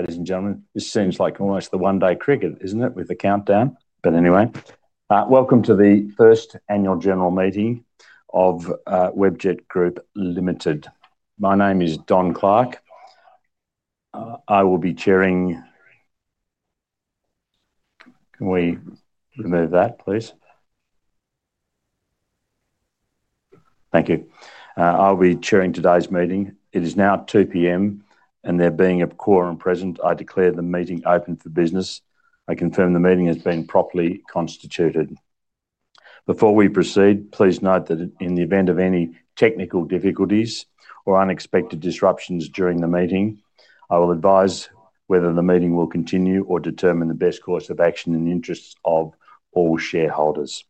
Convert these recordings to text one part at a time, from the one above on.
Ladies and gentlemen, this seems like almost a one-day cricket, isn't it, with the countdown? Anyway, welcome to the first annual general meeting of Webjet Group Limited. My name is Don Clarke. I will be chairing, can we remove that, please? Thank you. I'll be chairing today's meeting. It is now 2:00 P.M., and there being a quorum present, I declare the meeting open for business. I confirm the meeting has been properly constituted. Before we proceed, please note that in the event of any technical difficulties or unexpected disruptions during the meeting, I will advise whether the meeting will continue or determine the best course of action in the interests of all shareholders.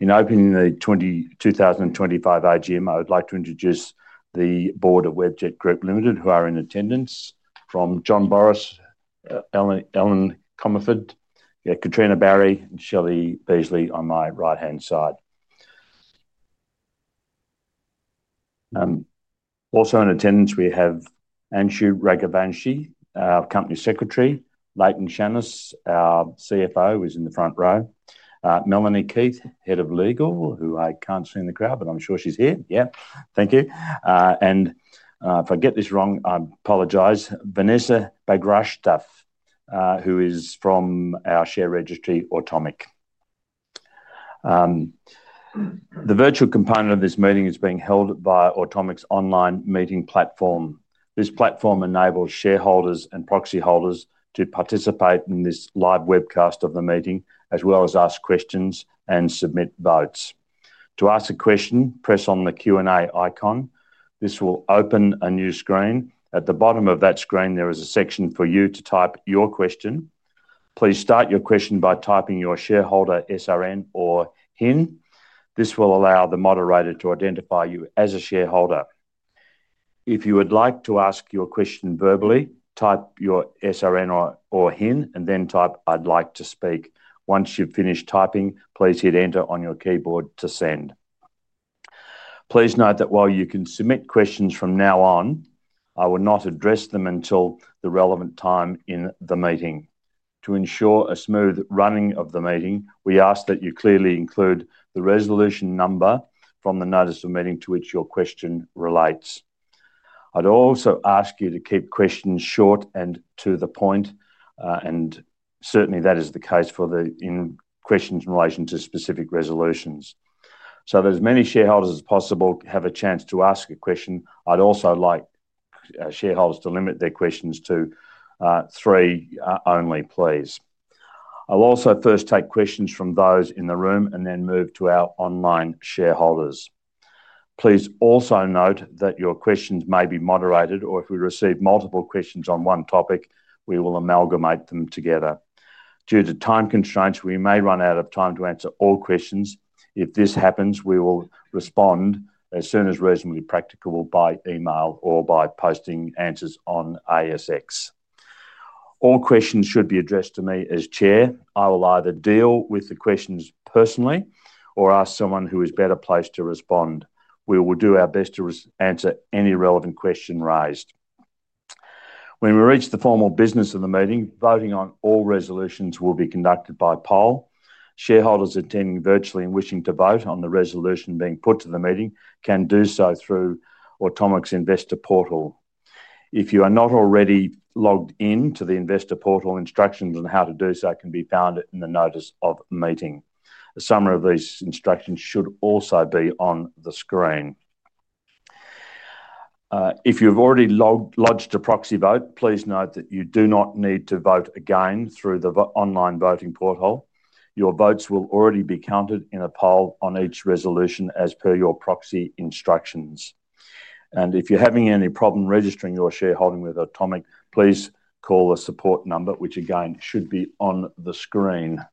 In opening the 2025 AGM, I would like to introduce the board of Webjet Group Limited, who are in attendance, from John Boris, Ellen Comerford, Katrina Barry, and Shelley Beasley on my right-hand side. Also in attendance, we have Anshu Raguvanshi, our Company Secretary, Layton Shannos, our CFO, who's in the front row, Melanie Keith, Head of Legal, who I can't see in the crowd, but I'm sure she's here. Yeah, thank you. And if I get this wrong, I apologize, Vanessa Baghdasraf, who is from our share registry, Automic. The virtual component of this meeting is being held by Automic's online meeting platform. This platform enables shareholders and proxy holders to participate in this live webcast of the meeting, as well as ask questions and submit votes. To ask a question, press on the Q&A icon. This will open a new screen. At the bottom of that screen, there is a section for you to type your question. Please start your question by typing your shareholder SRN or HIN. This will allow the moderator to identify you as a shareholder. If you would like to ask your question verbally, type your SRN or HIN and then type "I'd like to speak." Once you've finished typing, please hit enter on your keyboard to send. Please note that while you can submit questions from now on, I will not address them until the relevant time in the meeting. To ensure a smooth running of the meeting, we ask that you clearly include the resolution number from the notice of meeting to which your question relates. I'd also ask you to keep questions short and to the point, and certainly that is the case for the questions in relation to specific resolutions. As many shareholders as possible should have a chance to ask a question, I'd also like shareholders to limit their questions to three only, please. I'll also first take questions from those in the room and then move to our online shareholders. Please also note that your questions may be moderated, or if we receive multiple questions on one topic, we will amalgamate them together. Due to time constraints, we may run out of time to answer all questions. If this happens, we will respond as soon as reasonably practicable by email or by posting answers on ASX. All questions should be addressed to me as Chair. I will either deal with the questions personally or ask someone who is better placed to respond. We will do our best to answer any relevant question raised. When we reach the formal business of the meeting, voting on all resolutions will be conducted by poll. Shareholders attending virtually and wishing to vote on the resolution being put to the meeting can do so through Automic's Investor Portal. If you are not already logged in to the Investor Portal, instructions on how to do so can be found in the notice of meeting. A summary of these instructions should also be on the screen. If you have already lodged a proxy vote, please note that you do not need to vote again through the online voting portal. Your votes will already be counted in a poll on each resolution as per your proxy instructions. If you're having any problem registering your shareholding with Automic, please call a support number, which again should be on the screen.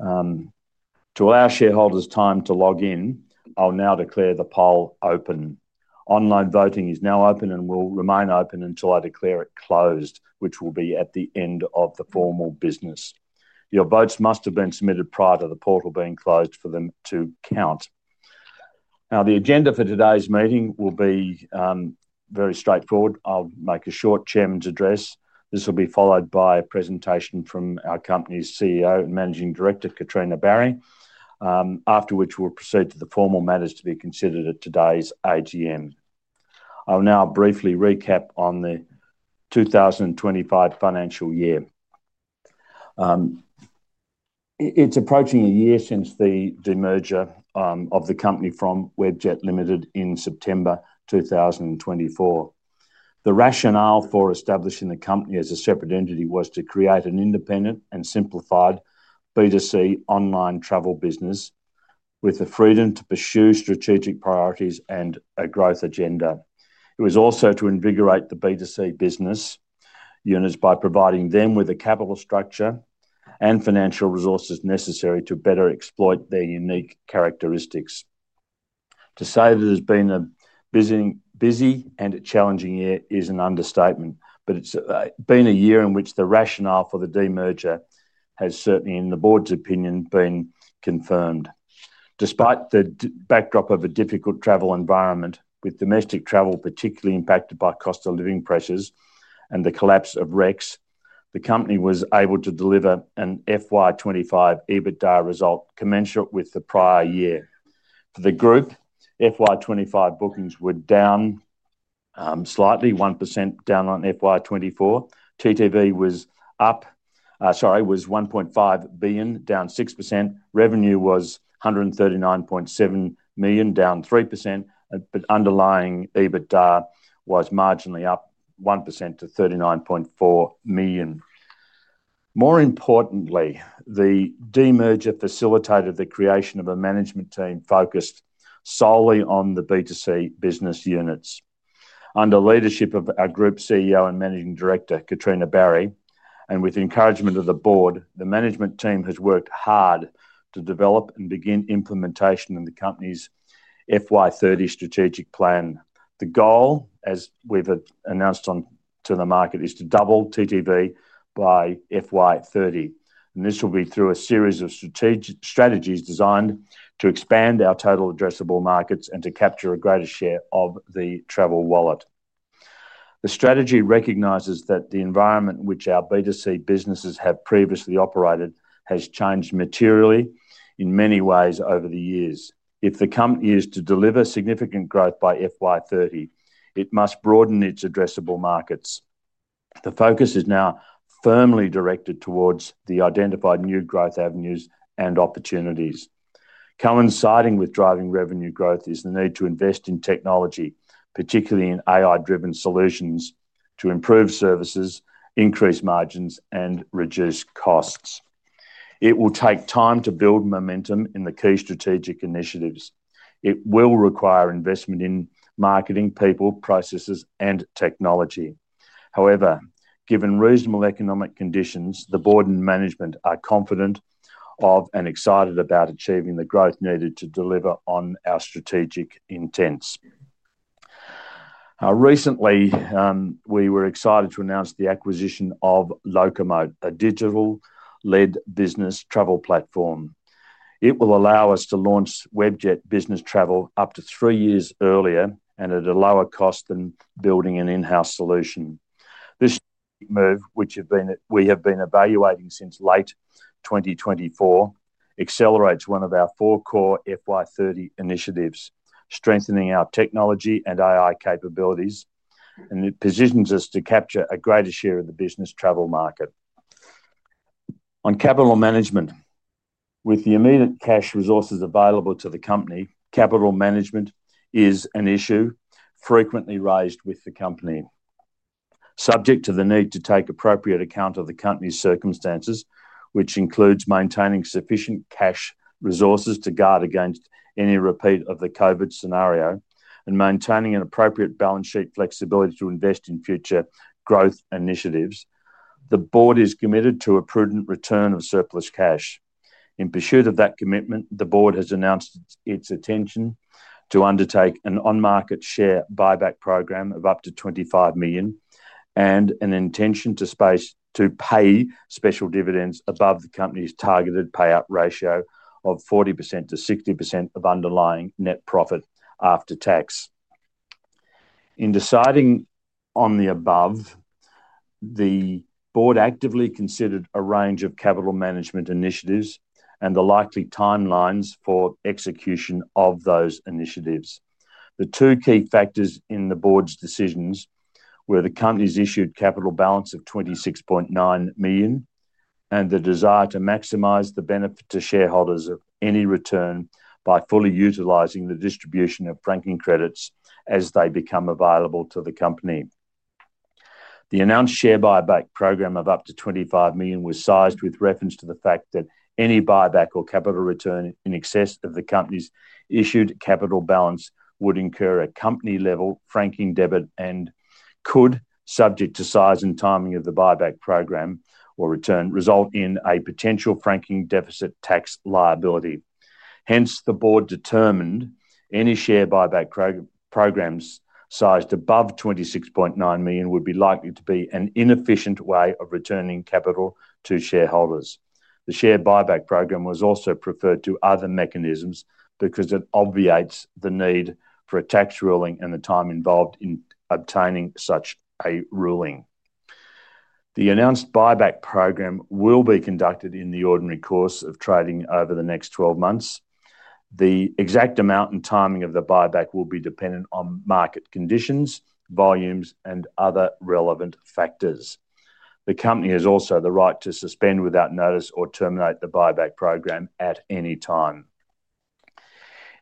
To allow shareholders time to log in, I'll now declare the poll open. Online voting is now open and will remain open until I declare it closed, which will be at the end of the formal business. Your votes must have been submitted prior to the portal being closed for them to count. Now, the agenda for today's meeting will be very straightforward. I'll make a short Chairman's address. This will be followed by a presentation from our company's CEO and Managing Director, Katrina Barry, after which we'll proceed to the formal matters to be considered at today's AGM. I'll now briefly recap on the 2025 financial year. It's approaching a year since the demerger of the company from Webjet Limited in September 2024. The rationale for establishing the company as a separate entity was to create an independent and simplified B2C online travel business with the freedom to pursue strategic priorities and a growth agenda. It was also to invigorate the B2C business units by providing them with a capital structure and financial resources necessary to better exploit their unique characteristics. To say that it has been a busy and a challenging year is an understatement, but it's been a year in which the rationale for the demerger has certainly, in the board's opinion, been confirmed. Despite the backdrop of a difficult travel environment, with domestic travel particularly impacted by cost of living pressures and the collapse of Rex, the company was able to deliver an FY 2025 EBITDA result commensurate with the prior year. For the group, FY 2025 bookings were down slightly, 1% down on FY 2024. TTV was $1.5 billion, down 6%. Revenue was $139.7 million, down 3%, but underlying EBITDA was marginally up 1% to $39.4 million. More importantly, the demerger facilitated the creation of a management team focused solely on the B2C business units. Under leadership of our Group CEO and Managing Director, Katrina Barry, and with the encouragement of the board, the management team has worked hard to develop and begin implementation in the company's FY 2030 strategic plan. The goal, as we've announced to the market, is to double TTV by FY 2030. This will be through a series of strategies designed to expand our total addressable markets and to capture a greater share of the travel wallet. The strategy recognizes that the environment in which our B2C businesses have previously operated has changed materially in many ways over the years. If the company is to deliver significant growth by FY 2030, it must broaden its addressable markets. The focus is now firmly directed towards the identified new growth avenues and opportunities. Coinciding with driving revenue growth is the need to invest in technology, particularly in AI-driven solutions, to improve services, increase margins, and reduce costs. It will take time to build momentum in the key strategic initiatives. It will require investment in marketing, people, processes, and technology. However, given reasonable economic conditions, the board and management are confident of and excited about achieving the growth needed to deliver on our strategic intents. Recently, we were excited to announce the acquisition of Locomote, a digital-led business travel platform. It will allow us to launch Webjet Business Travel up to three years earlier and at a lower cost than building an in-house solution. This move, which we have been evaluating since late 2024, accelerates one of our four core FY 2030 initiatives, strengthening our technology and AI capabilities, and it positions us to capture a greater share of the business travel market. On capital management, with the immediate cash resources available to the company, capital management is an issue frequently raised with the company. Subject to the need to take appropriate account of the company's circumstances, which includes maintaining sufficient cash resources to guard against any repeat of the COVID scenario and maintaining an appropriate balance sheet flexibility to invest in future growth initiatives, the board is committed to a prudent return of surplus cash. In pursuit of that commitment, the board has announced its intention to undertake an on-market share buyback program of up to $25 million and an intention to pay special dividends above the company's targeted payout ratio of 40%-60% of underlying net profit after tax. In deciding on the above, the board actively considered a range of capital management initiatives and the likely timelines for execution of those initiatives. The two key factors in the board's decisions were the company's issued capital balance of $26.9 million and the desire to maximize the benefit to shareholders of any return by fully utilizing the distribution of franking credits as they become available to the company. The announced share buyback program of up to $25 million was sized with reference to the fact that any buyback or capital return in excess of the company's issued capital balance would incur a company-level franking debit and could, subject to size and timing of the buyback program or return, result in a potential franking deficit tax liability. Hence, the board determined any share buyback programs sized above $26.9 million would be likely to be an inefficient way of returning capital to shareholders. The share buyback program was also preferred to other mechanisms because it obviates the need for a tax ruling and the time involved in obtaining such a ruling. The announced buyback program will be conducted in the ordinary course of trading over the next 12 months. The exact amount and timing of the buyback will be dependent on market conditions, volumes, and other relevant factors. The company has also the right to suspend without notice or terminate the buyback program at any time.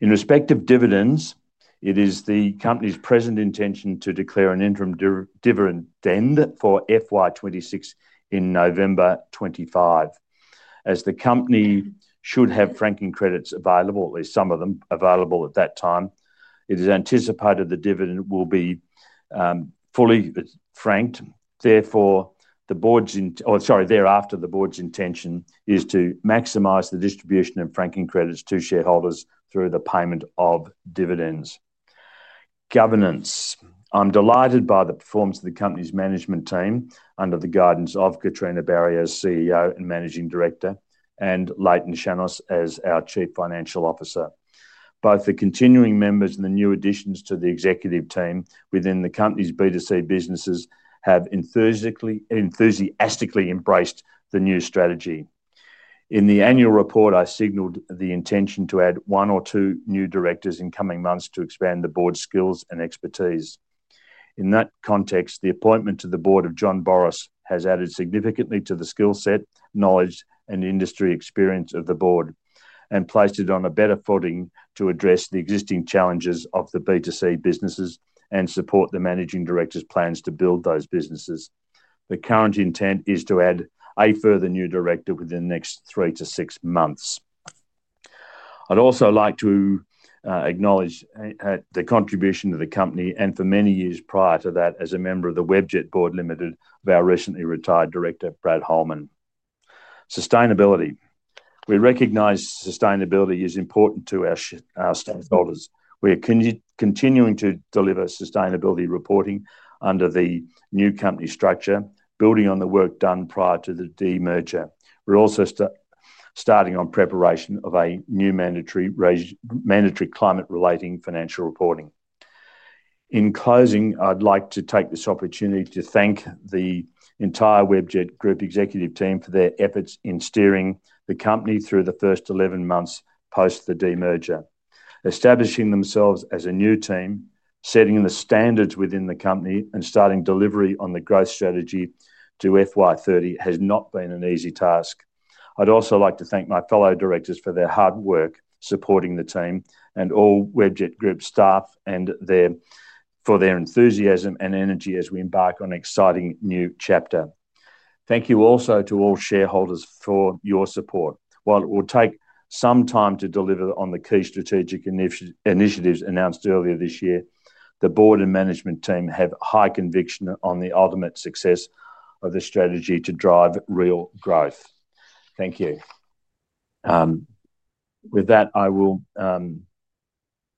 In respect of dividends, it is the company's present intention to declare an interim dividend for FY 2026 in November 2025. As the company should have franking credits available, at least some of them available at that time, it is anticipated the dividend will be fully franked. Thereafter, the board's intention is to maximize the distribution of franking credits to shareholders through the payment of dividends. Governance. I'm delighted by the performance of the company's management team under the guidance of Katrina Barry as CEO and Managing Director and Layton Shannos as our Chief Financial Officer. Both the continuing members and the new additions to the executive team within the company's B2C businesses have enthusiastically embraced the new strategy. In the annual report, I signaled the intention to add one or two new directors in coming months to expand the board's skills and expertise. In that context, the appointment to the board of John Boris has added significantly to the skill set, knowledge, and industry experience of the board and placed it on a better footing to address the existing challenges of the B2C businesses and support the Managing Director's plans to build those businesses. The current intent is to add a further new director within the next three to six months. I'd also like to acknowledge the contribution of the company and for many years prior to that as a member of the Webjet board limited of our recently retired director, Brad Holman. Sustainability. We recognize sustainability is important to our stakeholders. We are continuing to deliver sustainability reporting under the new company structure, building on the work done prior to the demerger. We're also starting on preparation of a new mandatory climate-related financial reporting. In closing, I'd like to take this opportunity to thank the entire Webjet Group executive team for their efforts in steering the company through the first 11 months post the demerger. Establishing themselves as a new team, setting the standards within the company, and starting delivery on the growth strategy to FY 2030 has not been an easy task. I'd also like to thank my fellow directors for their hard work supporting the team and all Webjet Group staff for their enthusiasm and energy as we embark on an exciting new chapter. Thank you also to all shareholders for your support. While it will take some time to deliver on the key strategic initiatives announced earlier this year, the Board and management team have high conviction on the ultimate success of the strategy to drive real growth. Thank you. With that, I will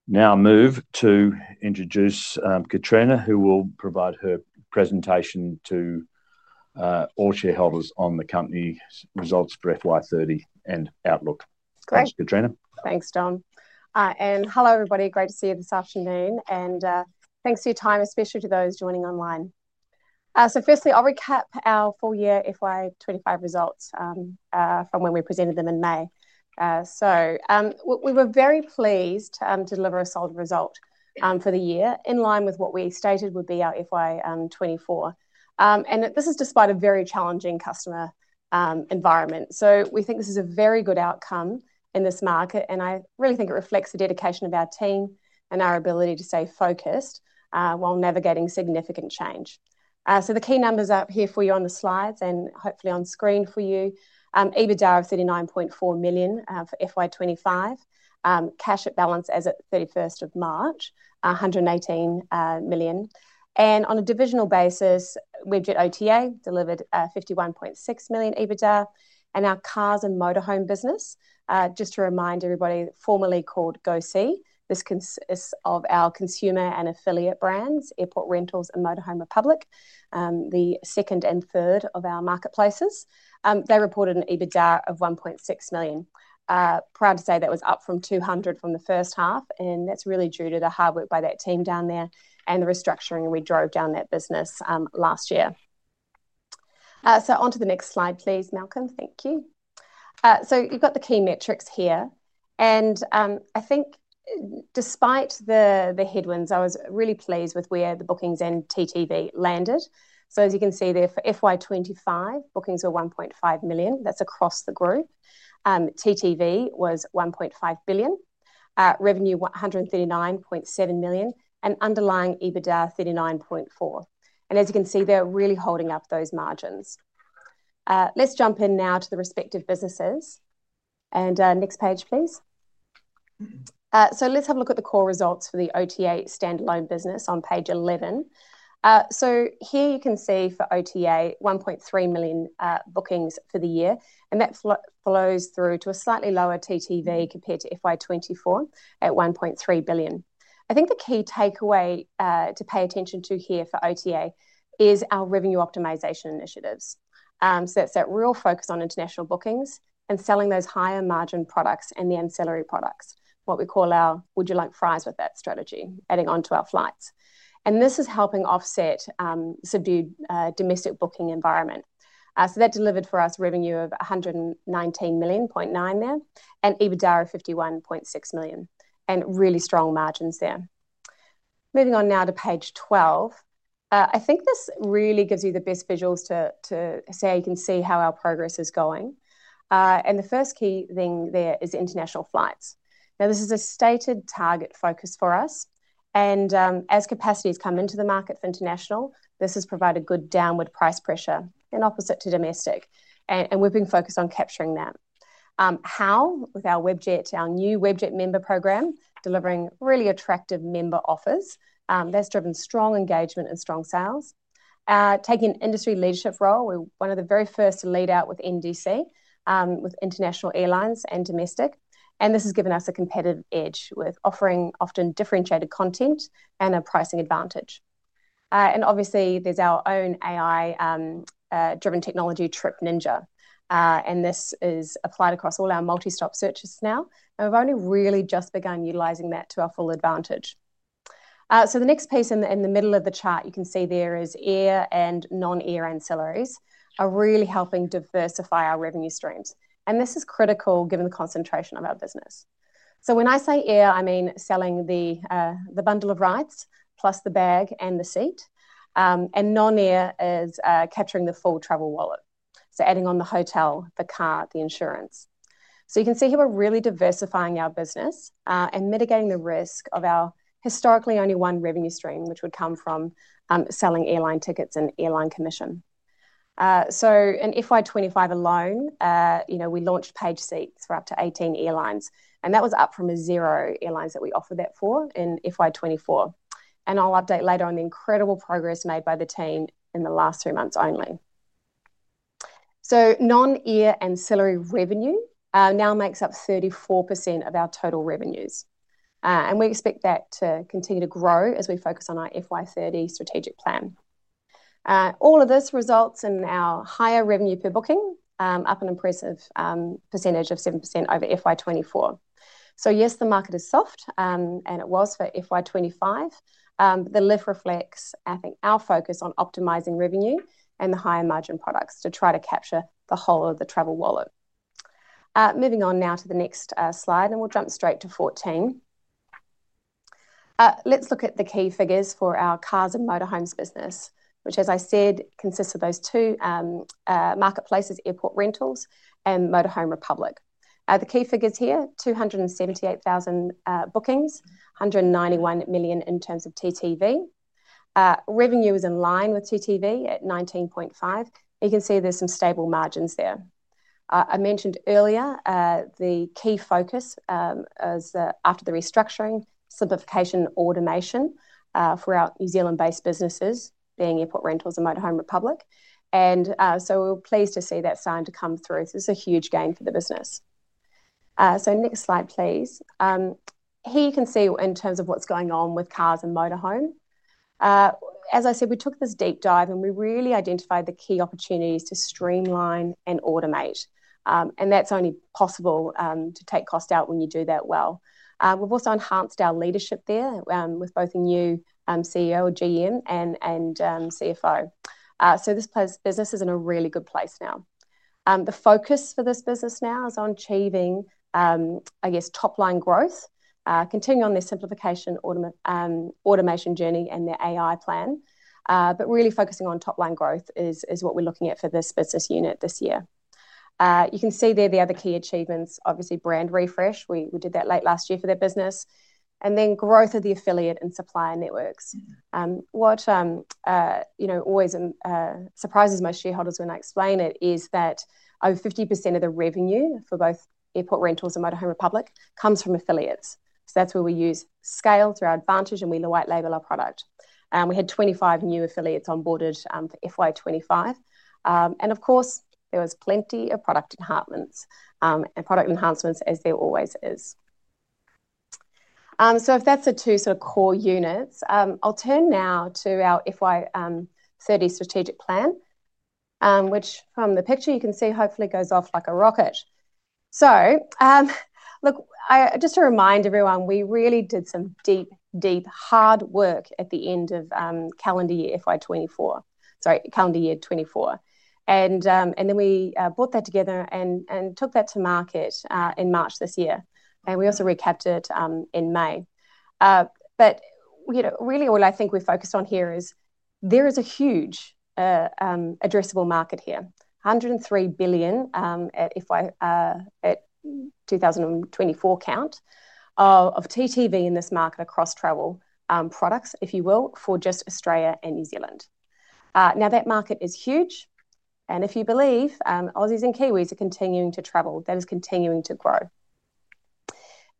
now move to introduce Katrina, who will provide her presentation to all shareholders on the company results for FY 2030 and outlook. Thanks, Katrina. Thanks, Don. Hello, everybody. Great to see you this afternoon. Thanks for your time, especially to those joining online. Firstly, I'll recap our full year FY 2025 results from when we presented them in May. We were very pleased to deliver a solid result for the year, in line with what we stated would be our FY 2024. This is despite a very challenging customer environment. We think this is a very good outcome in this market. I really think it reflects the dedication of our team and our ability to stay focused while navigating significant change. The key numbers are up here for you on the slides and hopefully on screen for you. EBITDA of $39.4 million for FY 2025, cash at balance as of 31st of March, $118 million. On a divisional basis, Webjet OTA delivered $51.6 million EBITDA. Our cars and motorhome business, just to remind everybody, formerly called GoSee, consists of our consumer and affiliate brands, Airport Rentals and Motorhome Republic, the second and third of our marketplaces. They reported an EBITDA of $1.6 million. Proud to say that was up from [200] from the first half. That's really due to the hard work by that team down there and the restructuring we drove down that business last year. On to the next slide, please, Malcolm. Thank you. You've got the key metrics here. I think despite the headwinds, I was really pleased with where the bookings and TTV landed. As you can see there, for FY 2025, bookings were 1.5 million across the group. TTV was $1.5 billion. Revenue was $139.7 million. Underlying EBITDA was $39.4 million. As you can see, they're really holding up those margins. Let's jump in now to the respective businesses. Next page, please. Let's have a look at the core results for the OTA standalone business on page 11. Here you can see for OTA, 1.3 million bookings for the year. That flows through to a slightly lower TTV compared to FY 2024 at $1.3 billion. I think the key takeaway to pay attention to here for OTA is our revenue optimization initiatives. It's that real focus on international bookings and selling those higher margin products and the ancillary products. What we call our would-you-like-fries-with-that strategy, adding on to our flights. This is helping offset the subdued domestic booking environment. That delivered for us revenue of $119.9 million there, and EBITDA of $51.6 million. Really strong margins there. Moving on now to page 12, I think this really gives you the best visuals to say you can see how our progress is going. The first key thing there is international flights. This is a stated target focus for us. As capacity has come into the market for international, this has provided good downward price pressure, opposite to domestic. We've been focused on capturing that. With our Webjet, our new Webjet member program delivering really attractive member offers, that's driven strong engagement and strong sales. Taking an industry leadership role, we're one of the very first to lead out with NDC, with international airlines and domestic. This has given us a competitive edge with offering often differentiated content and a pricing advantage. Obviously, there's our own AI-driven technology, Trip Ninja. This is applied across all our multi-stop searches now. We've only really just begun utilizing that to our full advantage. The next piece in the middle of the chart you can see there is air and non-air ancillaries are really helping diversify our revenue streams. This is critical given the concentration of our business. When I say air, I mean selling the bundle of rides plus the bag and the seat. Non-air is capturing the full travel wallet, so adding on the hotel, the car, the insurance. You can see here we're really diversifying our business and mitigating the risk of our historically only one revenue stream, which would come from selling airline tickets and airline commission. In FY 2025 alone, you know we launched paid seats for up to 18 airlines. That was up from the zero airlines that we offered that for in FY 2024. I'll update later on the incredible progress made by the team in the last three months only. Non-air ancillary revenue now makes up 34% of our total revenues. We expect that to continue to grow as we focus on our FY 2030 strategic plan. All of this results in our higher revenue per booking, up an impressive percentage of 7% over FY 2024. Yes, the market is soft, and it was for FY 2025. The lift reflects, I think, our focus on optimizing revenue and the higher margin products to try to capture the whole of the travel wallet. Moving on now to the next slide, and we'll jump straight to 14. Let's look at the key figures for our cars and motorhomes business, which, as I said, consists of those two marketplaces, Airport Rentals and Motorhome Republic. The key figures here, 278,000 bookings, $191 million in terms of TTV. Revenue is in line with TTV at $19.5 million. You can see there's some stable margins there. I mentioned earlier, the key focus is after the restructuring, simplification, and automation for our New Zealand-based businesses, being Airport Rentals and Motorhome Republic. We're pleased to see that starting to come through. This is a huge gain for the business. Next slide, please. Here you can see in terms of what's going on with cars and motorhome. As I said, we took this deep dive and we really identified the key opportunities to streamline and automate. That's only possible to take cost out when you do that well. We've also enhanced our leadership there with both a new CEO, GM, and CFO. This business is in a really good place now. The focus for this business now is on achieving, I guess, top-line growth, continuing on their simplification automation journey and their AI plan. Really focusing on top-line growth is what we're looking at for this business unit this year. You can see there the other key achievements, obviously brand refresh. We did that late last year for their business. Growth of the affiliate and supply networks. What always surprises my shareholders when I explain it is that over 50% of the revenue for both Airport Rentals and Motorhome Republic comes from affiliates. That's where we use scale to our advantage and we white label our product. We had 25 new affiliates onboarded for FY 2025. Of course, there was plenty of product enhancements as there always is. If that's the two sort of core units, I'll turn now to our FY 2030 strategic plan, which from the picture you can see hopefully goes off like a rocket. Just to remind everyone, we really did some deep, deep hard work at the end of calendar year 2024. Sorry, calendar year 2024. We brought that together and took that to market in March this year. We also recapped it in May. Really all I think we're focused on here is there is a huge addressable market here, $103 billion at 2024 count of TTV in this market across travel products, if you will, for just Australia and New Zealand. That market is huge. If you believe, Aussies and Kiwis are continuing to travel. That is continuing to grow.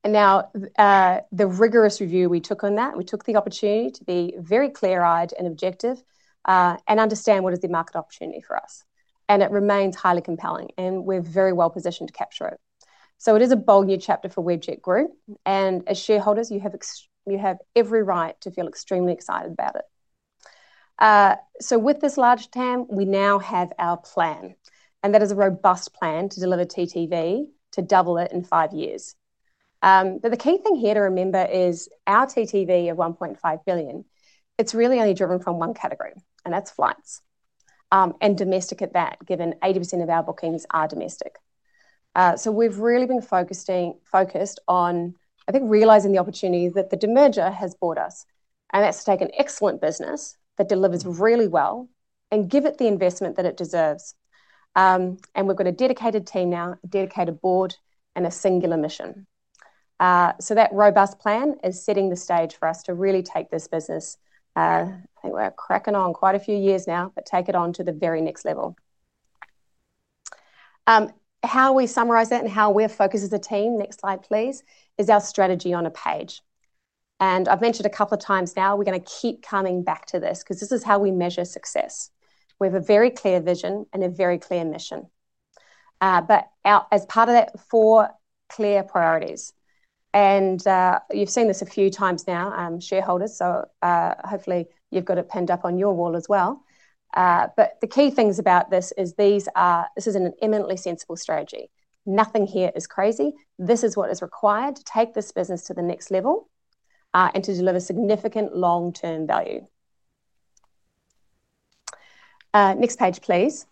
The rigorous review we took on that, we took the opportunity to be very clear-eyed and objective and understand what is the market opportunity for us. It remains highly compelling. We're very well positioned to capture it. It is a bold new chapter for Webjet Group. As shareholders, you have every right to feel extremely excited about it. With this large TAM, we now have our plan, and that is a robust plan to deliver TTV to double it in five years. The key thing here to remember is our TTV of $1.5 billion is really only driven from one category, and that's flights, and domestic at that, given 80% of our bookings are domestic. We've really been focused on realizing the opportunity that the demerger has brought us, and that's to take an excellent business that delivers really well and give it the investment that it deserves. We've got a dedicated team now, a dedicated board, and a singular mission. That robust plan is setting the stage for us to really take this business, I think we're cracking on quite a few years now, but take it on to the very next level. How we summarize that and how we're focused as a team, next slide, please, is our strategy on a page. I've mentioned a couple of times now, we're going to keep coming back to this because this is how we measure success. We have a very clear vision and a very clear mission. As part of that, four clear priorities. You've seen this a few times now, shareholders, so hopefully you've got it penned up on your wall as well. The key things about this is this is an imminently sensible strategy. Nothing here is crazy. This is what is required to take this business to the next level and to deliver significant long-term value. Next page, please.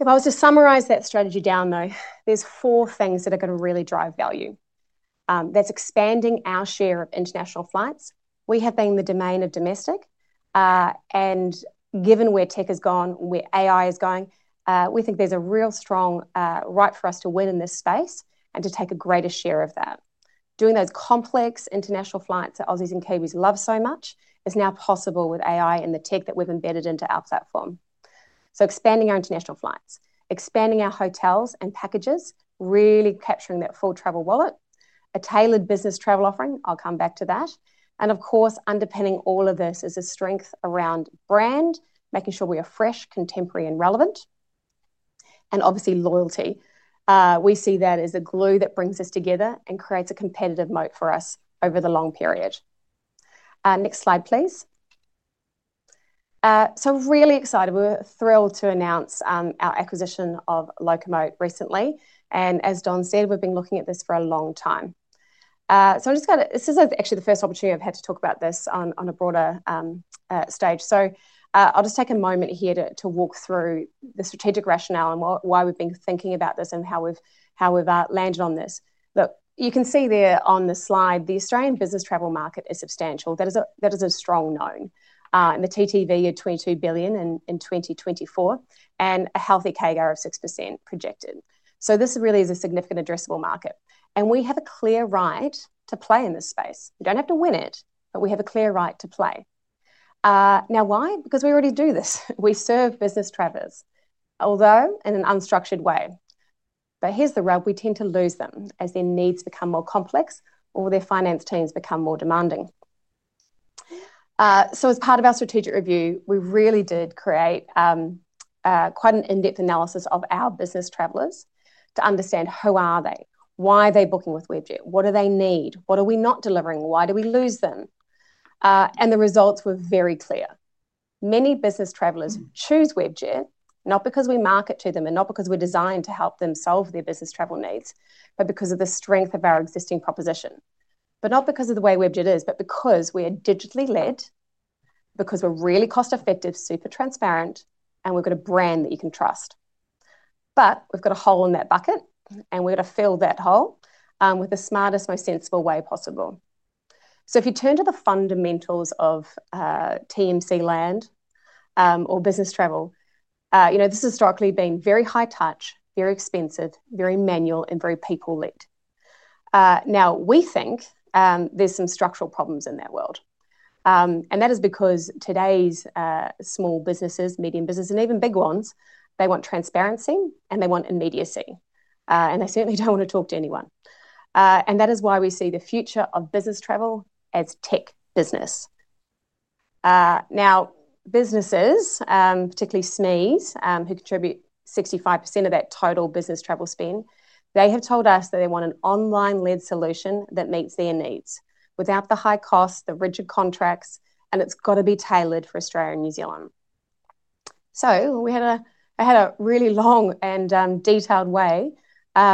If I was to summarize that strategy down, though, there's four things that are going to really drive value. That's expanding our share of international flights. We have been the domain of domestic, and given where tech has gone, where AI is going, we think there's a real strong right for us to win in this space and to take a greater share of that. Doing those complex international flights that Aussies and Kiwis love so much is now possible with AI and the tech that we've embedded into our platform. Expanding our international flights, expanding our hotels and packages, really capturing that full travel wallet, a tailored business travel offering, I'll come back to that. Of course, underpinning all of this is the strength around brand, making sure we are fresh, contemporary, and relevant, and obviously, loyalty. We see that as the glue that brings us together and creates a competitive moat for us over the long period. Next slide, please. Really excited. We were thrilled to announce our acquisition of Locomote recently. As Don said, we've been looking at this for a long time. This is actually the first opportunity I've had to talk about this on a broader stage. I'll just take a moment here to walk through the strategic rationale and why we've been thinking about this and how we've landed on this. You can see there on the slide, the Australian business travel market is substantial. That is a strong known. The TTV of $22 billion in 2024 and a healthy CAGR of 6% projected. This really is a significant addressable market. We have a clear right to play in this space. We don't have to win it, but we have a clear right to play. Now, why? Because we already do this. We serve business travelers, although in an unstructured way. Here's the rub. We tend to lose them as their needs become more complex or their finance teams become more demanding. As part of our strategic review, we really did create quite an in-depth analysis of our business travelers to understand who are they, why are they booking with Webjet, what do they need, what are we not delivering, why do we lose them. The results were very clear. Many business travelers choose Webjet, not because we market to them and not because we're designed to help them solve their business travel needs, but because of the strength of our existing proposition. Not because of the way Webjet is, but because we are digitally led, because we're really cost-effective, super transparent, and we've got a brand that you can trust. We've got a hole in that bucket, and we're going to fill that hole with the smartest, most sensible way possible. If you turn to the fundamentals of TMC land or business travel, you know this has historically been very high-touch, very expensive, very manual, and very people-led. We think there's some structural problems in that world. That is because today's small businesses, medium businesses, and even big ones, they want transparency and they want immediacy. They certainly don't want to talk to anyone. That is why we see the future of business travel as tech business. Now, businesses, particularly SMEs who contribute 65% of that total business travel spend, have told us that they want an online-led solution that meets their needs without the high costs, the rigid contracts, and it's got to be tailored for Australia and New Zealand. We had a really long and detailed way to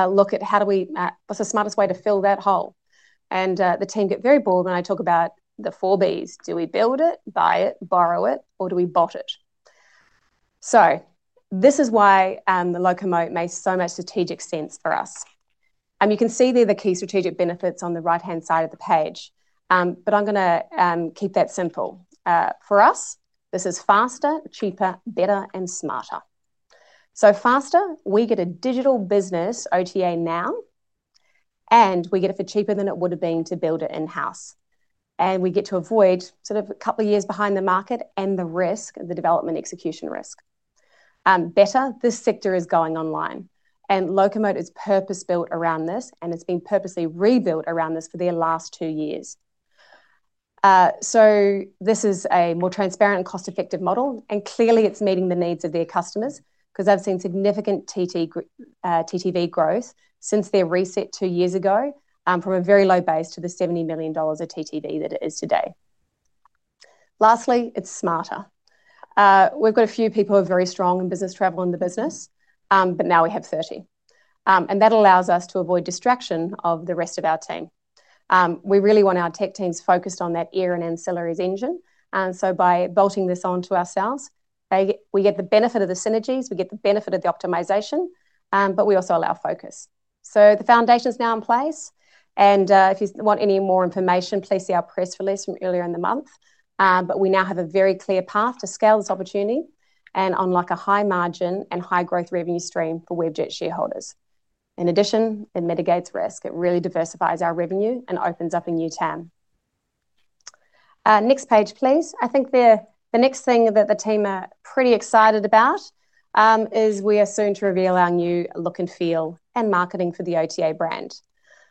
look at how do we, what's the smartest way to fill that hole? The team got very bored when I talk about the four Bs. Do we build it, buy it, borrow it, or do we bot it? This is why Locomote makes so much strategic sense for us. You can see there the key strategic benefits on the right-hand side of the page. I'm going to keep that simple. For us, this is faster, cheaper, better, and smarter. Faster, we get a digital business OTA now, and we get it for cheaper than it would have been to build it in-house. We get to avoid a couple of years behind the market and the risk of the development execution risk. Better, this sector is going online. Locomote is purpose-built around this, and it's been purposely rebuilt around this for the last two years. This is a more transparent and cost-effective model, and clearly it's meeting the needs of their customers because they've seen significant TTV growth since their reset two years ago from a very low base to the $70 million of TTV that it is today. Lastly, it's smarter. We've got a few people who are very strong in business travel and the business, but now we have 30. That allows us to avoid distraction of the rest of our team. We really want our tech teams focused on that air and ancillaries engine. By bolting this onto ourselves, we get the benefit of the synergies, we get the benefit of the optimization, but we also allow focus. The foundation is now in place. If you want any more information, please see our press release from earlier in the month. We now have a very clear path to scale this opportunity and unlock a high margin and high growth revenue stream for Webjet shareholders. In addition, it mitigates risk. It really diversifies our revenue and opens up a new TAM. Next page, please. I think the next thing that the team are pretty excited about is we are soon to reveal our new look and feel and marketing for the OTA brand.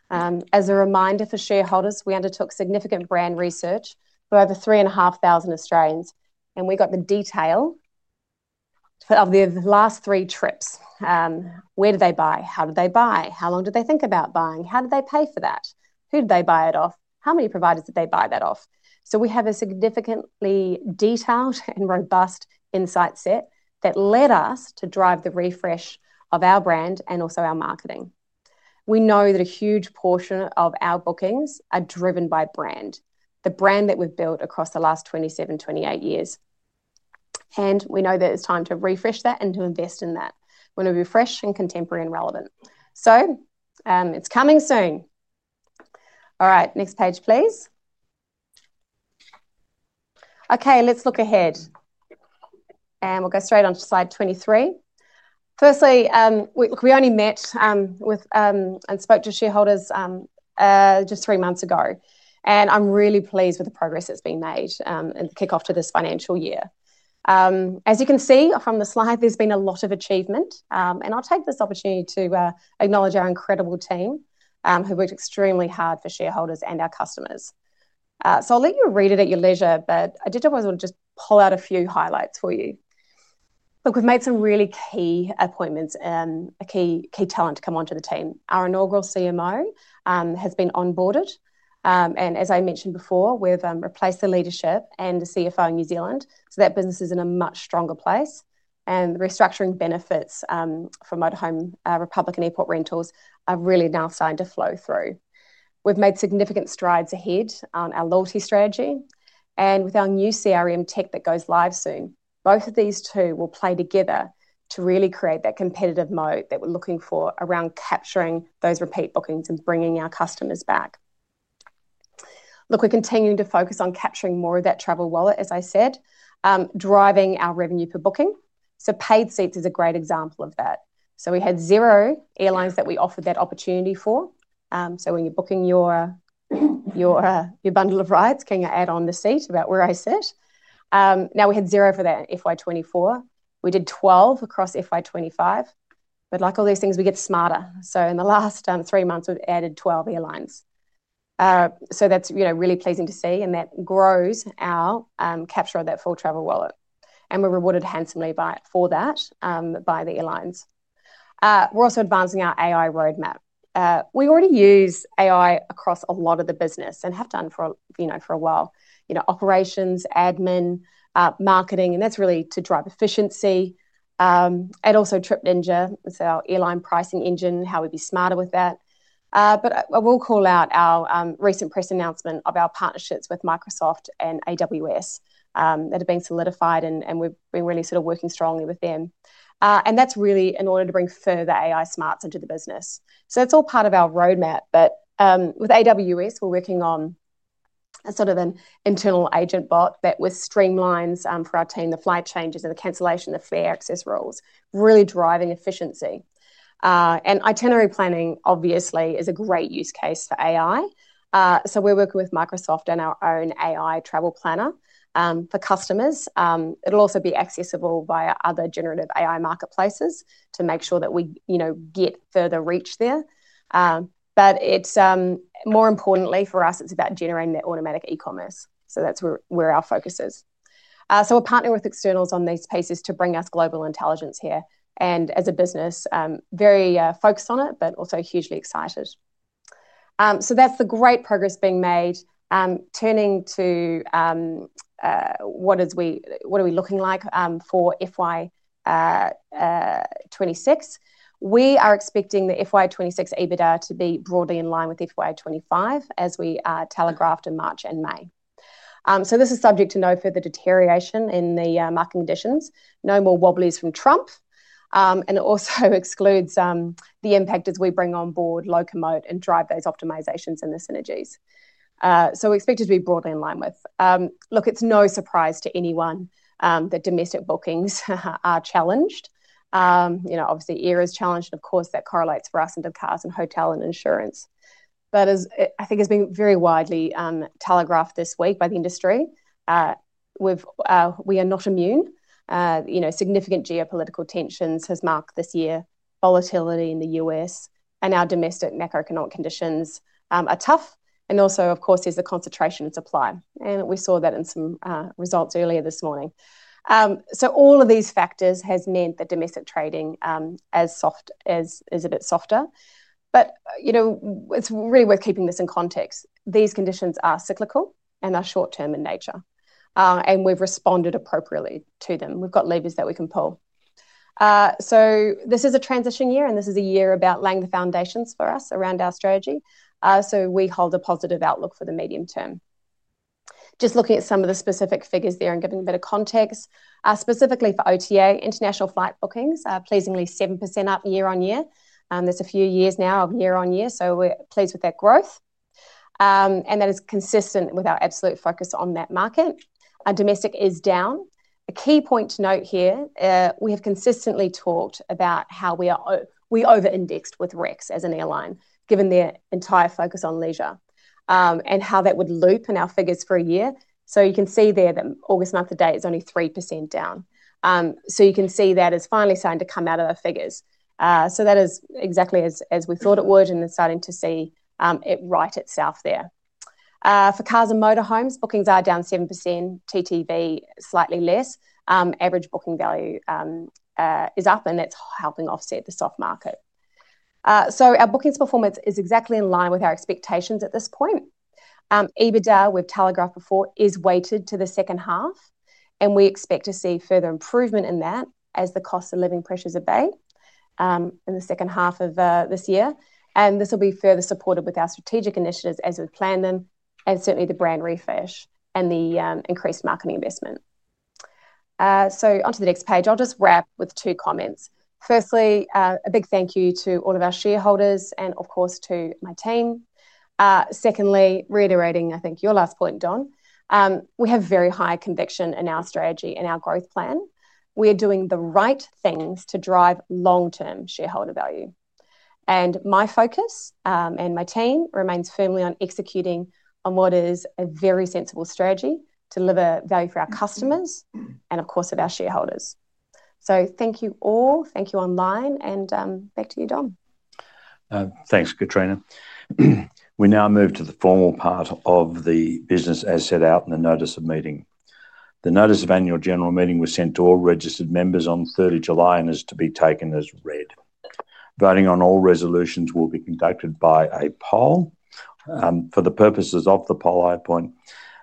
As a reminder for shareholders, we undertook significant brand research for over 3,500 Australians. We got the detail of the last three trips. Where did they buy? How did they buy? How long did they think about buying? How did they pay for that? Who did they buy it off? How many providers did they buy that off? We have a significantly detailed and robust insight set that led us to drive the refresh of our brand and also our marketing. We know that a huge portion of our bookings are driven by brand, the brand that we've built across the last 27, 28 years. We know that it's time to refresh that and to invest in that. We want to be fresh and contemporary and relevant. It's coming soon. All right, next page, please. OK, let's look ahead. We'll go straight on to slide 23. Firstly, we only met and spoke to shareholders just three months ago. I'm really pleased with the progress that's been made and kick-off to this financial year. As you can see from the slide, there's been a lot of achievement. I'll take this opportunity to acknowledge our incredible team who worked extremely hard for shareholders and our customers. I'll let you read it at your leisure, but I did always want to just pull out a few highlights for you. We've made some really key appointments and a key talent to come onto the team. Our inaugural CMO has been onboarded. As I mentioned before, we've replaced the leadership and the CFO in New Zealand. That business is in a much stronger place. The restructuring benefits for Motorhome Republic and Airport Rentals are really now starting to flow through. We've made significant strides ahead on our loyalty strategy. With our new CRM tech that goes live soon, both of these two will play together to really create that competitive moat that we're looking for around capturing those repeat bookings and bringing our customers back. We're continuing to focus on capturing more of that travel wallet, as I said, driving our revenue per booking. Paid seats is a great example of that. We had zero airlines that we offered that opportunity for. When you're booking your bundle of rides, can you add on the seat about where I sit? We had zero for that in FY 2024. We did 12 across FY 2025. Like all these things, we get smarter. In the last three months, we've added 12 airlines. That's really pleasing to see. That grows our capture of that full travel wallet. We're rewarded handsomely for that by the airlines. We're also advancing our AI roadmap. We already use AI across a lot of the business and have done for a while. Operations, admin, marketing, and that's really to drive efficiency. Also, Trip Ninja, that's our airline pricing engine, how we'd be smarter with that. I will call out our recent press announcement of our partnerships with Microsoft and AWS that have been solidified. We're really sort of working strongly with them. That's really in order to bring further AI smarts into the business. That's all part of our roadmap. With AWS, we're working on a sort of an internal agent bot that streamlines for our team the flight changes and the cancellation of fare access rules, really driving efficiency. Itinerary planning obviously is a great use case for AI. We're working with Microsoft on our own AI travel planner for customers. It'll also be accessible via other generative AI marketplaces to make sure that we get further reach there. More importantly for us, it's about generating that automatic e-commerce. That's where our focus is. We're partnering with externals on these pieces to bring us global intelligence here. As a business, very focused on it, but also hugely excited. That's the great progress being made. Turning to what are we looking like for FY 2026, we are expecting the FY 2026 EBITDA to be broadly in line with FY 2025 as we are telegraphed in March and May. This is subject to no further deterioration in the marketing conditions, no more wobblies from Trump, and it also excludes the impact as we bring on board Locomote and drive those optimizations and the synergies. We expect it to be broadly in line with. It's no surprise to anyone that domestic bookings are challenged. Obviously, air is challenged, and of course, that correlates for us into cars and hotel and insurance. I think it's been very widely telegraphed this week by the industry. We are not immune. Significant geopolitical tensions have marked this year. Volatility in the U.S. and our domestic macroeconomic conditions are tough. Also, of course, there's a concentration of supply, and we saw that in some results earlier this morning. All of these factors have meant that domestic trading is a bit softer. It's really worth keeping this in context. These conditions are cyclical and are short-term in nature, and we've responded appropriately to them. We've got levers that we can pull. This is a transition year, and this is a year about laying the foundations for us around our strategy. We hold a positive outlook for the medium term. Just looking at some of the specific figures there and giving a bit of context, specifically for OTA, international flight bookings are pleasingly 7% up year on year. There are a few years now of year on year, so we're pleased with that growth, and that is consistent with our absolute focus on that market. Domestic is down. A key point to note here, we have consistently talked about how we over-indexed with Rex as an airline, given their entire focus on leisure and how that would loop in our figures for a year. You can see that August month to date is only 3% down, so you can see that is finally starting to come out of our figures. That is exactly as we thought it would, and we're starting to see it right itself there. For cars and motorhomes, bookings are down 7%. TTV is slightly less. Average booking value is up, and that's helping offset the soft market. Our bookings performance is exactly in line with our expectations at this point. EBITDA, we've telegraphed before, is weighted to the second half, and we expect to see further improvement in that as the cost of living pressures abate in the second half of this year. This will be further supported with our strategic initiatives as we plan them, and certainly the brand refresh and the increased marketing investment. Onto the next page, I'll just wrap with two comments. Firstly, a big thank you to all of our shareholders and, of course, to my team. Secondly, reiterating, I think, your last point, Don. We have very high conviction in our strategy and our growth plan. We are doing the right things to drive long-term shareholder value, and my focus and my team remain firmly on executing on what is a very sensible strategy to deliver value for our customers and, of course, for our shareholders. Thank you all. Thank you online. Back to you, Don. Thanks, Katrina. We now move to the formal part of the business as set out in the notice of meeting. The notice of annual general meeting was sent to all registered members on 30 July and is to be taken as read. Voting on all resolutions will be conducted by a poll. For the purposes of the poll, I appoint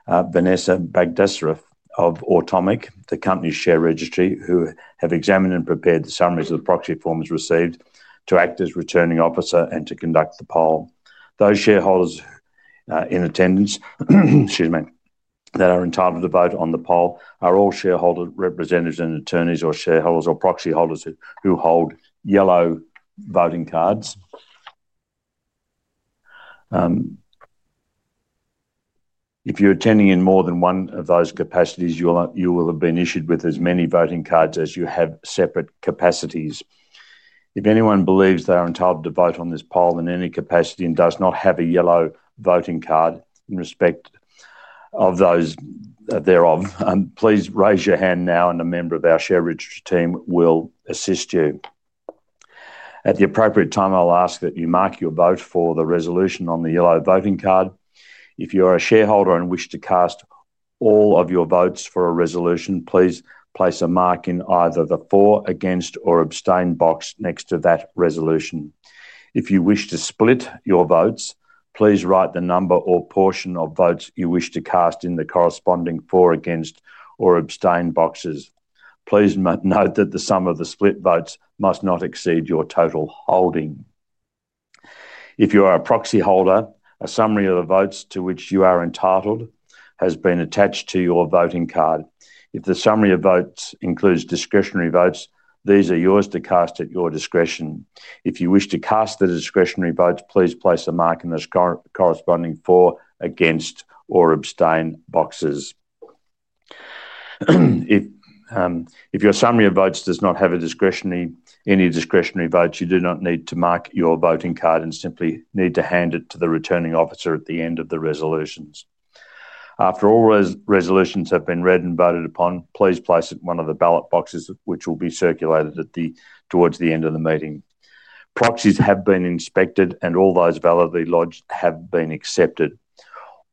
Vanessa Baghdasraf of Automic, the company's share registry, who have examined and prepared the summaries of the proxy forms received to act as returning officer and to conduct the poll. Those shareholders in attendance that are entitled to vote on the poll are all shareholder representatives and attorneys or shareholders or proxy holders who hold yellow voting cards. If you're attending in more than one of those capacities, you will have been issued with as many voting cards as you have separate capacities. If anyone believes they are entitled to vote on this poll in any capacity and does not have a yellow voting card in respect of those thereof, please raise your hand now and a member of our share registry team will assist you. At the appropriate time, I'll ask that you mark your vote for the resolution on the yellow voting card. If you are a shareholder and wish to cast all of your votes for a resolution, please place a mark in either the for, against, or abstain box next to that resolution. If you wish to split your votes, please write the number or portion of votes you wish to cast in the corresponding for, against, or abstain boxes. Please note that the sum of the split votes must not exceed your total holding. If you are a proxy holder, a summary of the votes to which you are entitled has been attached to your voting card. If the summary of votes includes discretionary votes, these are yours to cast at your discretion. If you wish to cast the discretionary votes, please place a mark in the corresponding for, against, or abstain boxes. If your summary of votes does not have any discretionary votes, you do not need to mark your voting card and simply need to hand it to the returning officer at the end of the resolutions. After all resolutions have been read and voted upon, please place it in one of the ballot boxes, which will be circulated towards the end of the meeting. Proxies have been inspected and all those validly lodged have been accepted.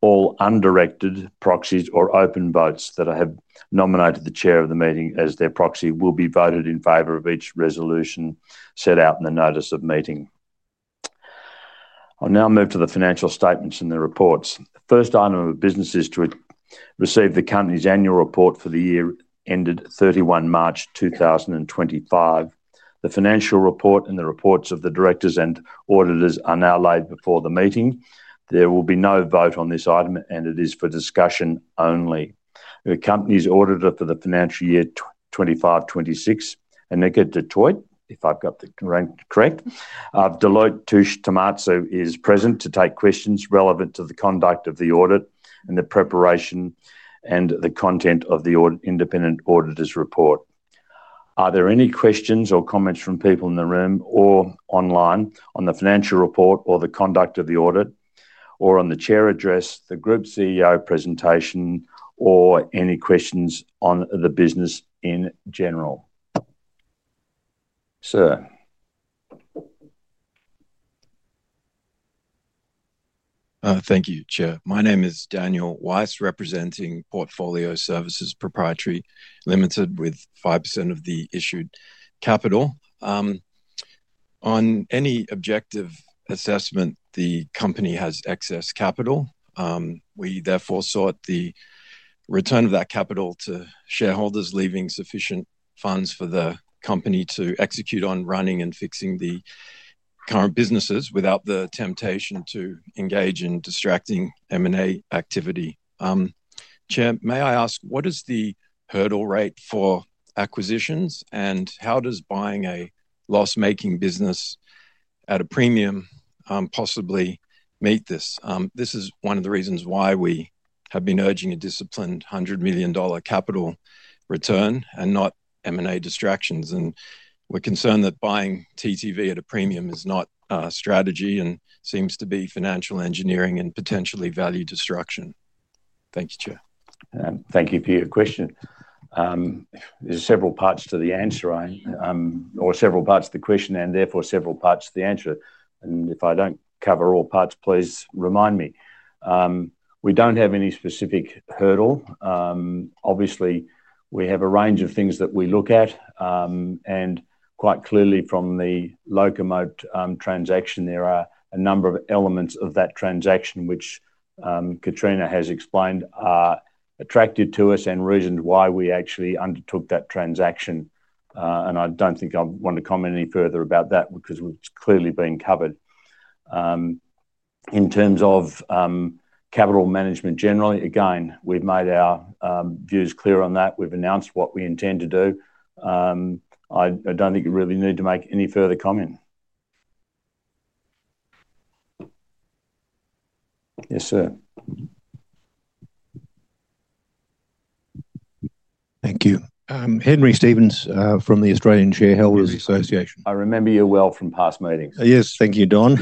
All undirected proxies or open votes that have nominated the Chair of the meeting as their proxy will be voted in favor of each resolution set out in the notice of meeting. I'll now move to the financial statements and the reports. The first item of business is to receive the company's annual report for the year ended 31 March 2025. The financial report and the reports of the directors and auditors are now laid before the meeting. There will be no vote on this item, and it is for discussion only. The company's auditor for the financial year 2025-2026, [Annika de Thooijt], if I've got the rank correct, of Deloitte Touche Tohmatsu, is present to take questions relevant to the conduct of the audit and the preparation and the content of the independent auditor's report. Are there any questions or comments from people in the room or online on the financial report or the conduct of the audit or on the Chair address, the Group CEO presentation, or any questions on the business in general? Sir. Thank you, Chair. My name is Daniel Weiss, representing Portfolio Services Proprietary Limited, with 5% of the issued capital. On any objective assessment, the company has excess capital. We therefore sought the return of that capital to shareholders, leaving sufficient funds for the company to execute on running and fixing the current businesses without the temptation to engage in distracting M&A activity. Chair, may I ask, what is the hurdle rate for acquisitions, and how does buying a loss-making business at a premium possibly meet this? This is one of the reasons why we have been urging a disciplined $100 million capital return and not M&A distractions. We're concerned that buying TTV at a premium is not a strategy and seems to be financial engineering and potentially value destruction. Thank you, Chair. Thank you for your question. There are several parts to the question and therefore several parts to the answer. If I don't cover all parts, please remind me. We don't have any specific hurdle. Obviously, we have a range of things that we look at. Quite clearly from the Locomote transaction, there are a number of elements of that transaction which Katrina has explained are attractive to us and reasons why we actually undertook that transaction. I don't think I want to comment any further about that because we've clearly been covered. In terms of capital management generally, we've made our views clear on that. We've announced what we intend to do. I don't think you really need to make any further comment. Yes, sir. Thank you. Henry Stevens from the Australian Shareholders' Association. I remember you well from past meetings. Yes, thank you, Don.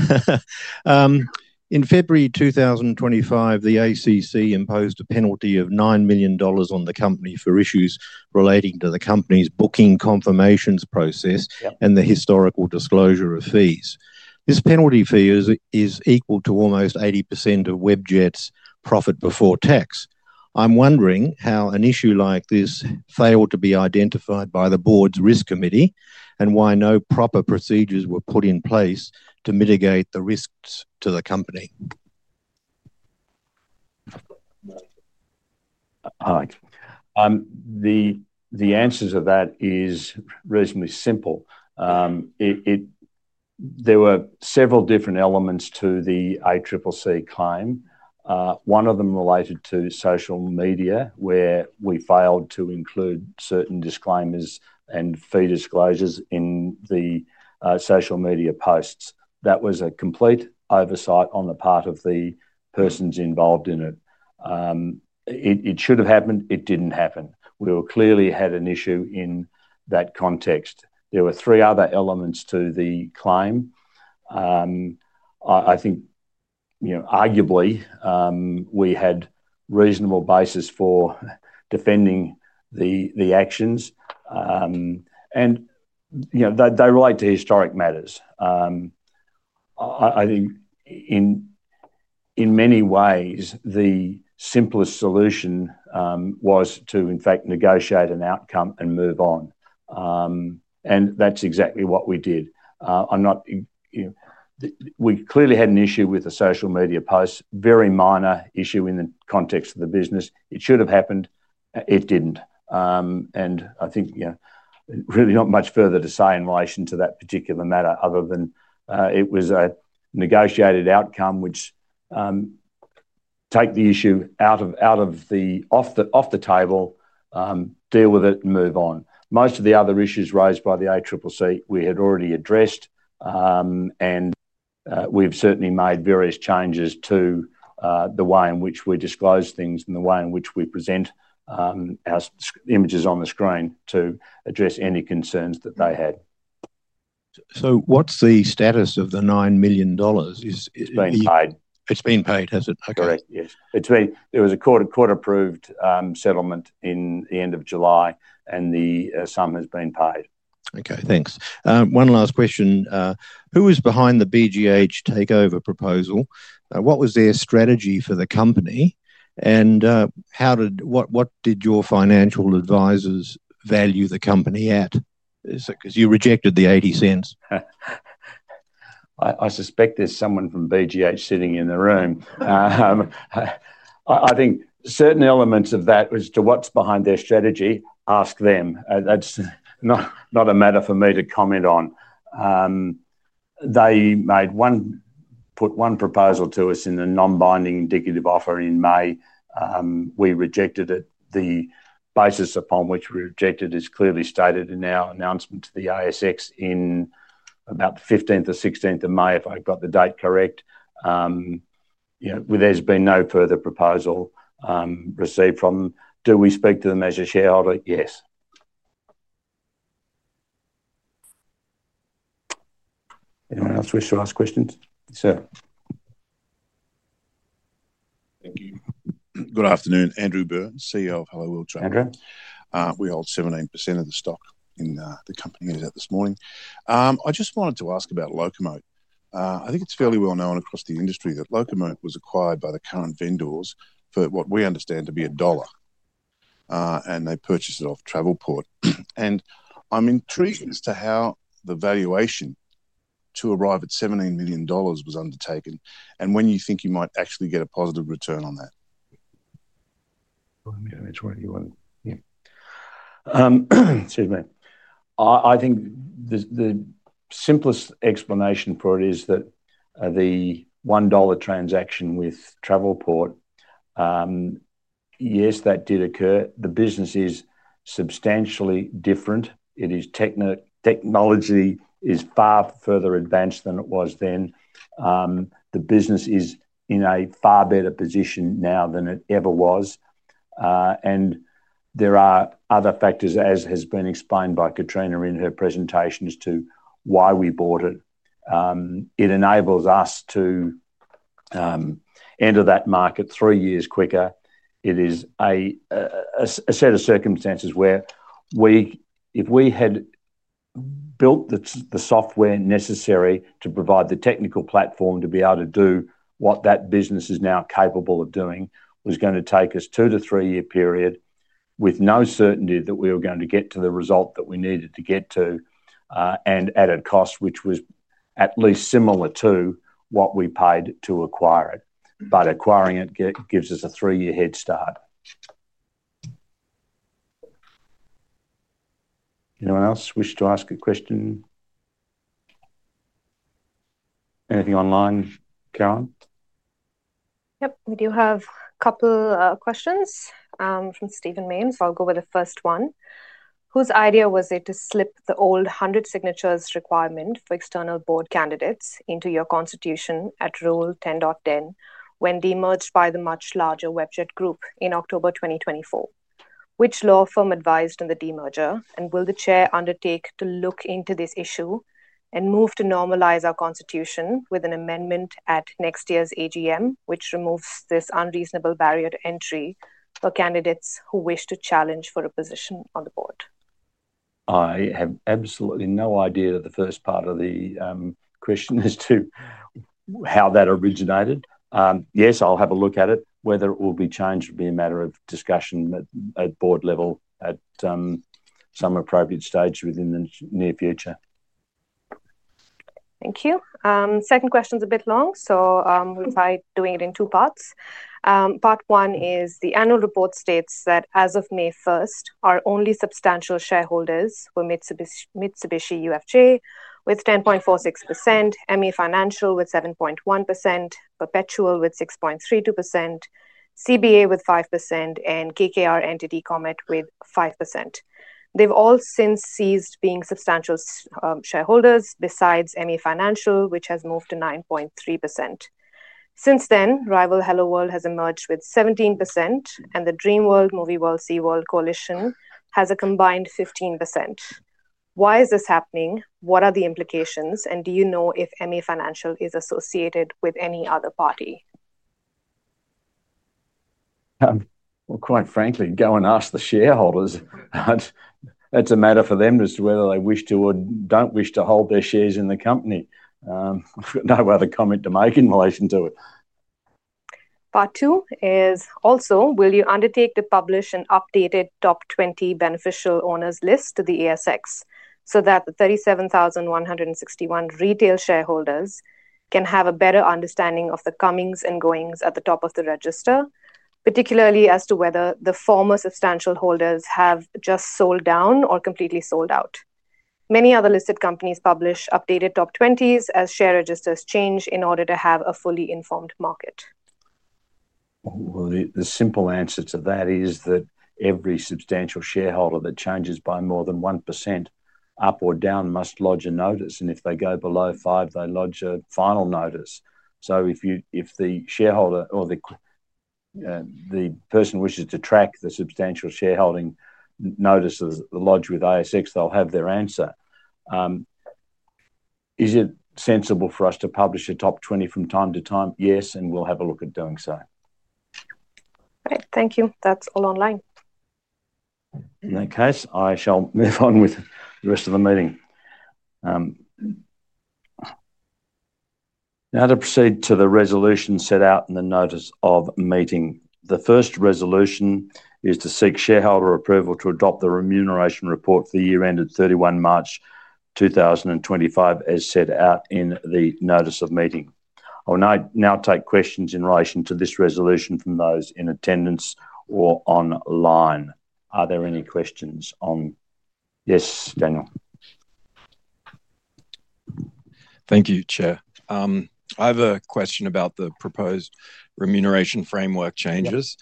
In February 2025, the ACC imposed a penalty of $9 million on the company for issues relating to the company's booking confirmations process and the historical disclosure of fees. This penalty fee is equal to almost 80% of Webjet's profit before tax. I'm wondering how an issue like this failed to be identified by the board's risk committee and why no proper procedures were put in place to mitigate the risks to the company. All right. The answer to that is reasonably simple. There were several different elements to the ACCC claim. One of them related to social media, where we failed to include certain disclaimers and fee disclosures in the social media posts. That was a complete oversight on the part of the persons involved in it. It should have happened. It didn't happen. We clearly had an issue in that context. There were three other elements to the claim. I think, you know, arguably, we had reasonable basis for defending the actions. They relate to historic matters. I think in many ways, the simplest solution was to, in fact, negotiate an outcome and move on. That's exactly what we did. We clearly had an issue with the social media posts, a very minor issue in the context of the business. It should have happened. It didn't. I think, you know, really not much further to say in relation to that particular matter other than it was a negotiated outcome, which takes the issue off the table, deals with it, and moves on. Most of the other issues raised by the ACCC, we had already addressed. We've certainly made various changes to the way in which we disclose things and the way in which we present our images on the screen to address any concerns that they had. What is the status of the $9 million? It's been paid. It's been paid, has it? Correct. Yes, it's been. There was a court-approved settlement in end of July, and the sum has been paid. OK, thanks. One last question. Who is behind the BGH takeover proposal? What was their strategy for the company? What did your financial advisors value the company at? Because you rejected the $0.80. I suspect there's someone from BGH sitting in the room. I think certain elements of that as to what's behind their strategy, ask them. That's not a matter for me to comment on. They put one proposal to us in a non-binding indicative offer in May. We rejected it. The basis upon which we rejected is clearly stated in our announcement to the ASX on about the 15th or 16th of May, if I've got the date correct. There's been no further proposal received from them. Do we speak to them as a shareholder? Yes. Anyone else wish to ask questions? Sir. Thank you. Good afternoon. Andrew Burnes, CEO of Helloworld Travel. We hold 17% of the stock in the company. I just wanted to ask about Locomote. I think it's fairly well known across the industry that Locomote was acquired by the current vendors for what we understand to be a dollar. They purchased it off Travelport. I'm intrigued as to how the valuation to arrive at $17 million was undertaken and when you think you might actually get a positive return on that. That's right. I think the simplest explanation for it is that the $1 transaction with Travelport, yes, that did occur. The business is substantially different. Technology is far further advanced than it was then. The business is in a far better position now than it ever was. There are other factors, as has been explained by Katrina in her presentations, to why we bought it. It enables us to enter that market three years quicker. It is a set of circumstances where if we had built the software necessary to provide the technical platform to be able to do what that business is now capable of doing, it was going to take us a two to three-year period with no certainty that we were going to get to the result that we needed to get to and added costs, which was at least similar to what we paid to acquire it. Acquiring it gives us a three-year head start. Anyone else wish to ask a question? Anything online current? Yep. We do have a couple of questions from Stephen Main. I'll go with the first one. Whose idea was it to slip the old 100 signatures requirement for external board candidates into your constitution at Rule 10.10 when demerged by the much larger Webjet Group in October 2024? Which law firm advised in the demerger, and will the Chair undertake to look into this issue and move to normalize our constitution with an amendment at next year's AGM, which removes this unreasonable barrier to entry for candidates who wish to challenge for a position on the board? I have absolutely no idea that the first part of the question as to how that originated. Yes, I'll have a look at it. Whether it will be changed will be a matter of discussion at board level at some appropriate stage within the near future. Thank you. Second question is a bit long. We'll try doing it in two parts. Part one is the annual report states that as of May 1st, our only substantial shareholders were Mitsubishi UFJ with 10.46%, ME Financial with 7.1%, Perpetual with 6.32%, CBA with 5%, and KKR Entity Comet with 5%. They've all since ceased being substantial shareholders besides ME Financial, which has moved to 9.3%. Since then, rival Helloworld has emerged with 17%, and the Dream World, Movie World, Sea World coalition has a combined 15%. Why is this happening? What are the implications? Do you know if ME Financial is associated with any other party? Quite frankly, go and ask the shareholders. It's a matter for them as to whether they wish to or don't wish to hold their shares in the company. I've got no other comment to make in relation to it. Part two is also, will you undertake to publish an updated top 20 beneficial owners list to the ASX so that the 37,161 retail shareholders can have a better understanding of the comings and goings at the top of the register, particularly as to whether the former substantial holders have just sold down or completely sold out? Many other listed companies publish updated top 20s as share registers change in order to have a fully informed market. The simple answer to that is, every substantial shareholder that changes by more than 1% up or down must lodge a notice. If they go below 5%, they lodge a final notice. If the shareholder or the person wishes to track the substantial shareholding notices lodged with ASX, they'll have their answer. Is it sensible for us to publish a top 20 from time to time? Yes, and we'll have a look at doing so. Great. Thank you. That's all online. In that case, I shall move on with the rest of the meeting. Now to proceed to the resolutions set out in the notice of meeting. The first resolution is to seek shareholder approval to adopt the remuneration report for the year ended 31 March 2025, as set out in the notice of meeting. I will now take questions in relation to this resolution from those in attendance or online. Are there any questions on? Yes, Daniel. Thank you, Chair. I have a question about the proposed remuneration framework changes.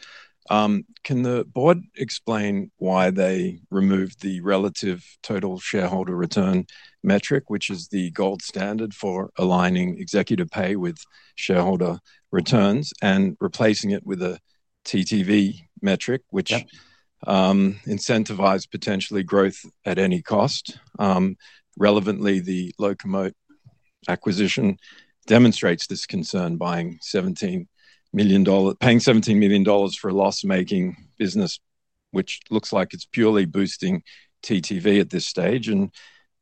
Can the board explain why they removed the relative total shareholder return metric, which is the gold standard for aligning executive pay with shareholder returns, and replaced it with a TTV metric, which incentivized potentially growth at any cost? Relevantly, the Locomote acquisition demonstrates this concern, paying $17 million for a loss-making business, which looks like it's purely boosting TTV at this stage.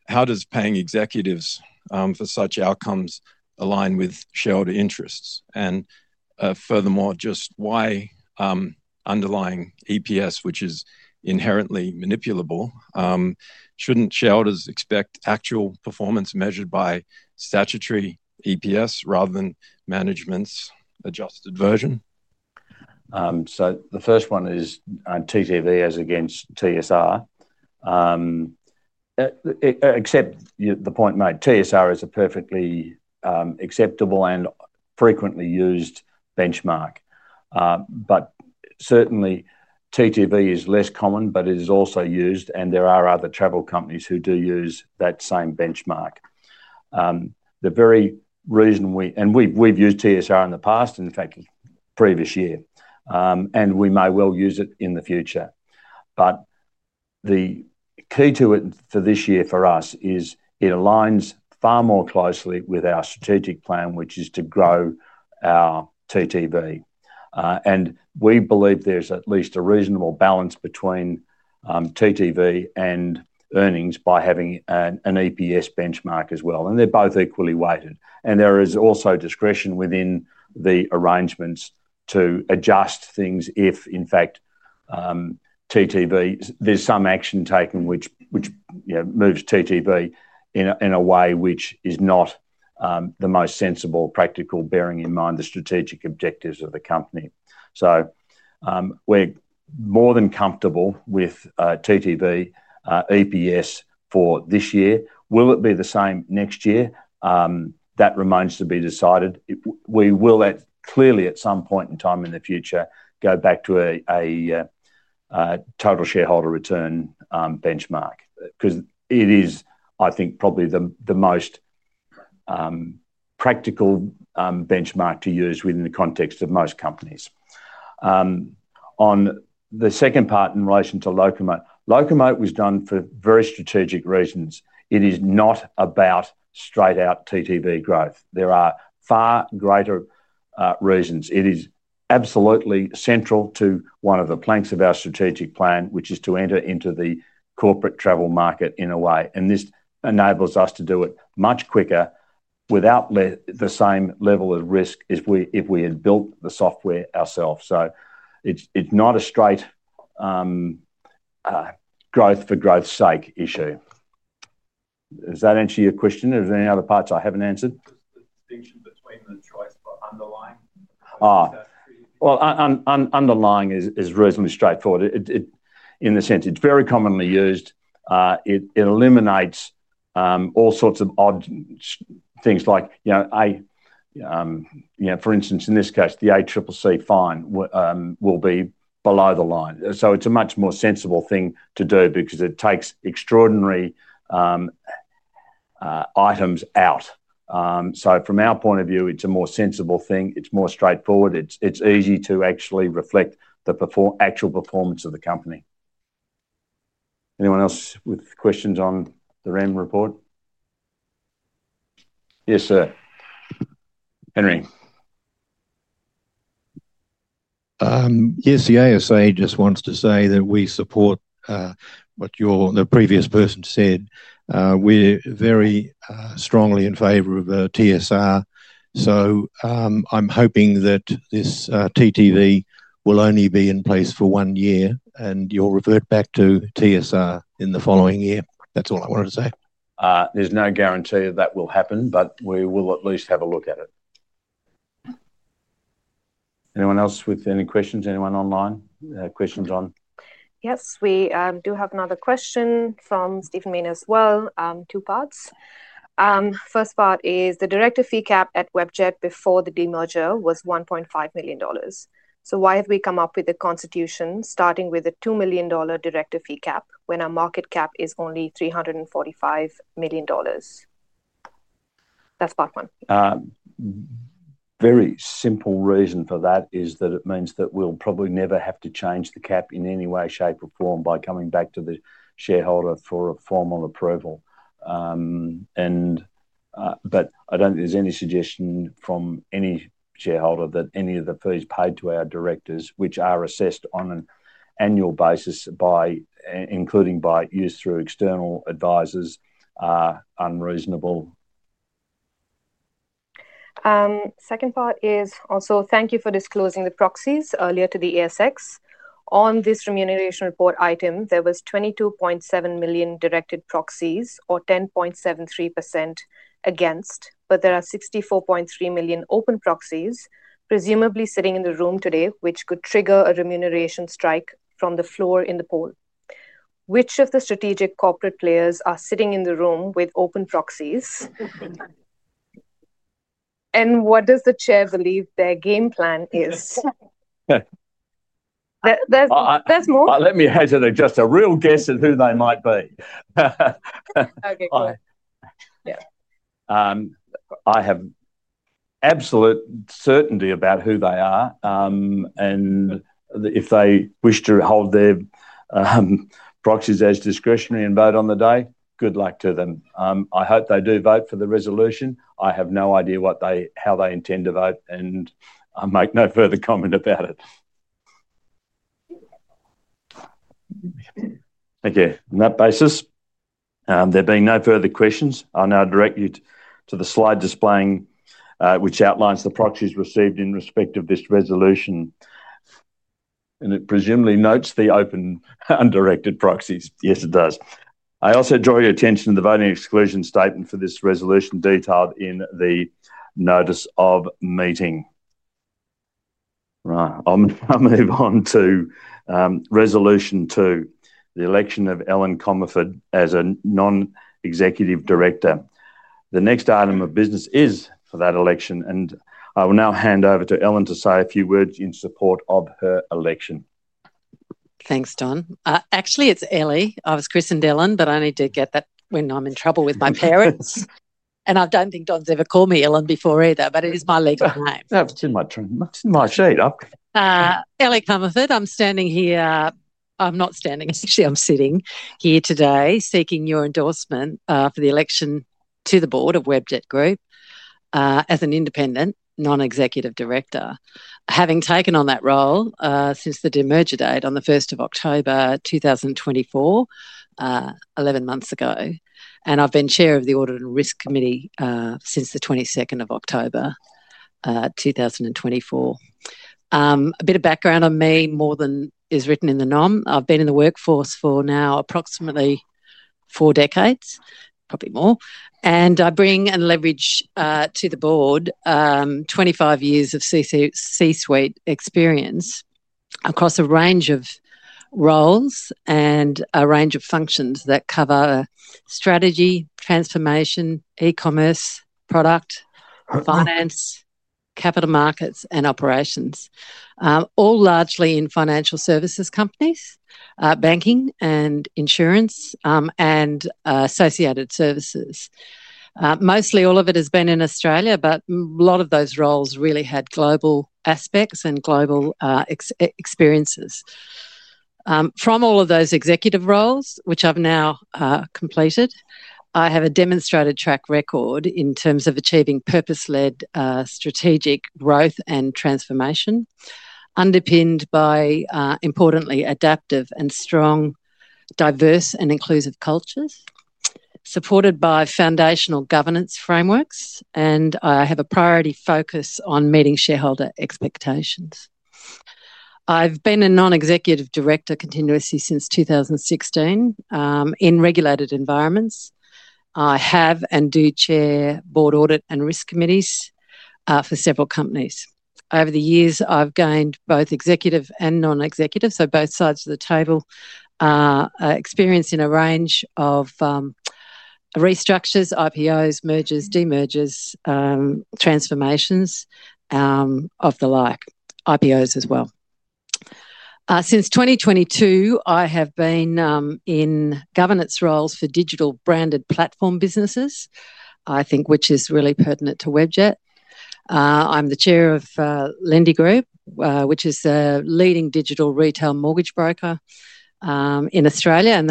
How does paying executives for such outcomes align with shareholder interests? Furthermore, just why underlying EPS, which is inherently manipulable, shouldn't shareholders expect actual performance measured by statutory EPS rather than management's adjusted version? The first one is TTV as against TSR. I accept the point made, TSR is a perfectly acceptable and frequently used benchmark. TTV is less common, but it is also used, and there are other travel companies who do use that same benchmark. The very reason we, and we've used TSR in the past, in fact, the previous year. We may well use it in the future. The key to it for this year for us is it aligns far more closely with our strategic plan, which is to grow our TTV. We believe there's at least a reasonable balance between TTV and earnings by having an EPS benchmark as well. They're both equally weighted. There is also discretion within the arrangements to adjust things if, in fact, there's some action taken which moves TTV in a way which is not the most sensible, practical, bearing in mind the strategic objectives of the company. We're more than comfortable with TTV EPS for this year. Will it be the same next year? That remains to be decided. We will clearly, at some point in time in the future, go back to a total shareholder return benchmark because it is, I think, probably the most practical benchmark to use within the context of most companies. On the second part in relation to Locomote, Locomote was done for very strategic reasons. It is not about straight-out TTV growth. There are far greater reasons. It is absolutely central to one of the planks of our strategic plan, which is to enter into the corporate travel market in a way. This enables us to do it much quicker without the same level of risk as if we had built the software ourselves. It's not a straight growth-for-growth's sake issue. Does that answer your question? Are there any other parts I haven't answered? Underlying is reasonably straightforward. In the sense, it's very commonly used. It eliminates all sorts of odd things like, you know, for instance, in this case, the ACCC fine will be below the line. It's a much more sensible thing to do because it takes extraordinary items out. From our point of view, it's a more sensible thing. It's more straightforward. It's easy to actually reflect the actual performance of the company. Anyone else with questions on the REM report? Yes, sir. Henry. Yes, the ASA just wants to say that we support what the previous person said. We're very strongly in favor of TSR. I'm hoping that this TTV will only be in place for one year, and you'll revert back to TSR in the following year. That's all I wanted to say. There's no guarantee that that will happen, but we will at least have a look at it. Anyone else with any questions? Anyone online? Questions on? Yes, we do have another question from Stephen Main as well. Two parts. First part is the director fee cap at Webjet before the demerger was $1.5 million. Why have we come up with a constitution starting with a $2 million director fee cap when our market cap is only $345 million? That's part one. Very simple reason for that is that it means that we'll probably never have to change the cap in any way, shape, or form by coming back to the shareholder for a formal approval. I don't think there's any suggestion from any shareholder that any of the fees paid to our directors, which are assessed on an annual basis, including by use through external advisors, are unreasonable. Second part is also, thank you for disclosing the proxies earlier to the ASX. On this remuneration report item, there were 22.7 million directed proxies or 10.73% against, but there are 64.3 million open proxies, presumably sitting in the room today, which could trigger a remuneration strike from the floor in the poll. Which of the strategic corporate players are sitting in the room with open proxies? What does the Chair believe their game plan is? Let me hazard a real guess at who they might be. I have absolute certainty about who they are. If they wish to hold their proxies as discretionary and vote on the day, good luck to them. I hope they do vote for the resolution. I have no idea how they intend to vote. I'll make no further comment about it. Thank you. On that basis, there being no further questions, I'll now direct you to the slide displaying, which outlines the proxies received in respect of this resolution. It presumably notes the open undirected proxies. Yes, it does. I also draw your attention to the voting exclusion statement for this resolution detailed in the notice of meeting. I'll move on to resolution two, the election of Ellen Comerford as a Non-Executive Director. The next item of business is for that election. I will now hand over to Ellen to say a few words in support of her election. Thanks, Don. Actually, it's Ellie. I was christened Ellen, but I get that when I'm in trouble with my parents. I don't think Don's ever called me Ellen before either, but it is my legal name. It's in my sheet. Ellie Comerford, I'm sitting here today seeking your endorsement for the election to the board of Webjet Group as an Independent Non-Executive director, having taken on that role since the demerger date on the 1st of October 2024, 11 months ago. I've been chair of the audit and risk committee since the 22nd of October 2024. A bit of background on me, more than is written in the NOM, I've been in the workforce for now approximately four decades, probably more. I bring and leverage to the board 25 years of C-suite experience across a range of roles and a range of functions that cover strategy, transformation, e-commerce, product, finance, capital markets, and operations, all largely in financial services companies, banking, and insurance, and associated services. Mostly, all of it has been in Australia, but a lot of those roles really had global aspects and global experiences. From all of those executive roles, which I've now completed, I have a demonstrated track record in terms of achieving purpose-led strategic growth and transformation, underpinned by importantly adaptive and strong, diverse, and inclusive cultures, supported by foundational governance frameworks. I have a priority focus on meeting shareholder expectations. I've been a Non-Executive Director continuously since 2016 in regulated environments. I have and do chair board audit and risk committees for several companies. Over the years, I've gained both executive and non-executive, so both sides of the table, experience in a range of restructures, IPOs, mergers, demergers, transformations, of the like, IPOs as well. Since 2022, I have been in governance roles for digital branded platform businesses, I think, which is really pertinent to Webjet. I'm the chair of Lendi Group, which is the leading digital retail mortgage broker in Australia.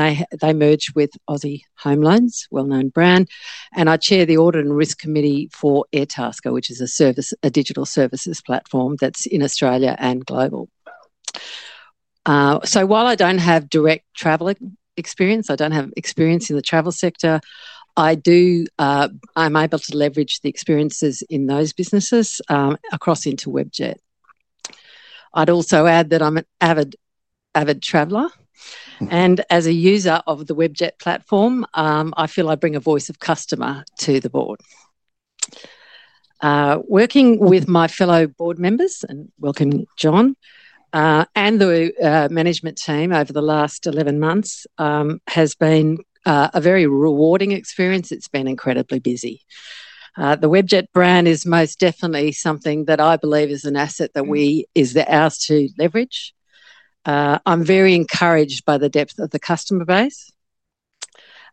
They merged with Aussie Home Loans, a well-known brand. I chair the audit and risk committee for Airtasker which is a service, a digital services platform that's in Australia and global. While I don't have direct travel experience, I don't have experience in the travel sector, I am able to leverage the experiences in those businesses across into Webjet. I'd also add that I'm an avid traveler, and as a user of the Webjet platform, I feel I bring a voice of customer to the board. Working with my fellow board members, and welcome, John, and the management team over the last 11 months has been a very rewarding experience. It's been incredibly busy. The Webjet brand is most definitely something that I believe is an asset that we are asked to leverage. I'm very encouraged by the depth of the customer base,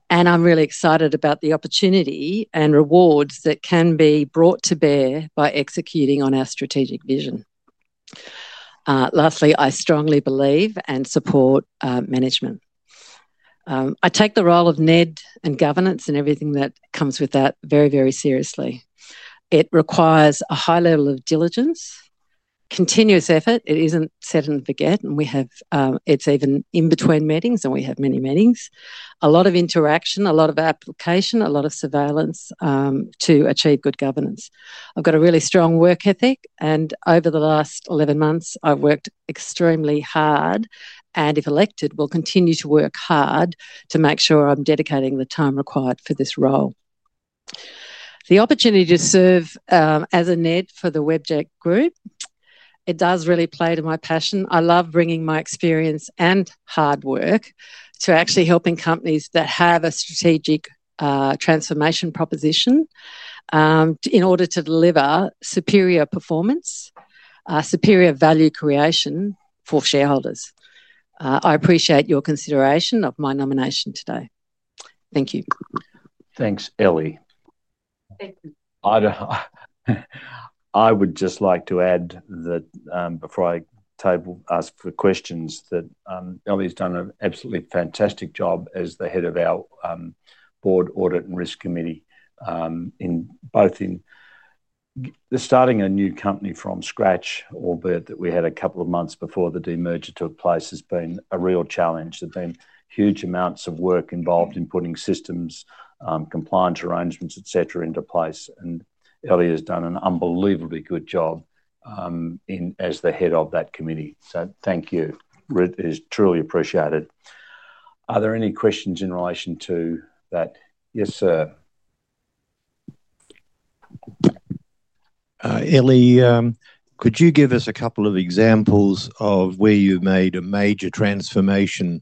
and I'm really excited about the opportunity and rewards that can be brought to bear by executing on our strategic vision. Lastly, I strongly believe and support management. I take the role of NED and governance and everything that comes with that very, very seriously. It requires a high level of diligence, continuous effort. It isn't set and forget, and we have, it's even in between meetings, and we have many meetings. A lot of interaction, a lot of application, a lot of surveillance to achieve good governance. I've got a really strong work ethic, and over the last 11 months, I've worked extremely hard and, if elected, will continue to work hard to make sure I'm dedicating the time required for this role. The opportunity to serve as a NED for the Webjet Group, it does really play to my passion. I love bringing my experience and hard work to actually helping companies that have a strategic transformation proposition in order to deliver superior performance, superior value creation for shareholders. I appreciate your consideration of my nomination today. Thank you. Thanks, Ellie. I would just like to add that before I ask for questions, that Ellie has done an absolutely fantastic job as the Head of our Board Audit and Risk Committee, both in starting a new company from scratch, or that we had a couple of months before the demerger took place, has been a real challenge. There have been huge amounts of work involved in putting systems, compliance arrangements, et cetera, into place, and Ellie has done an unbelievably good job as the Head of that committee. Thank you. It is truly appreciated. Are there any questions in relation to that? Yes, sir. Ellie, could you give us a couple of examples of where you've made a major transformation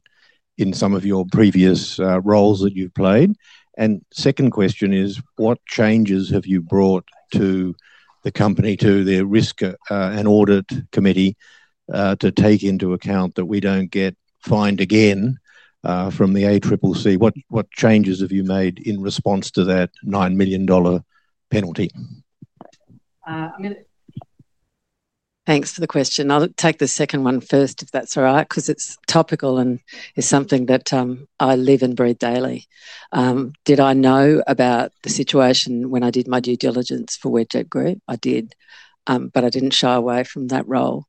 in some of your previous roles that you've played? The second question is, what changes have you brought to the company, to their Risk and Audit Committee to take into account that we don't get fined again from the ACCC? What changes have you made in response to that $9 million penalty? Thanks for the question. I'll take the second one first, if that's all right, because it's topical and is something that I live and breathe daily. Did I know about the situation when I did my due diligence for Webjet Group? I did, but I didn't shy away from that role.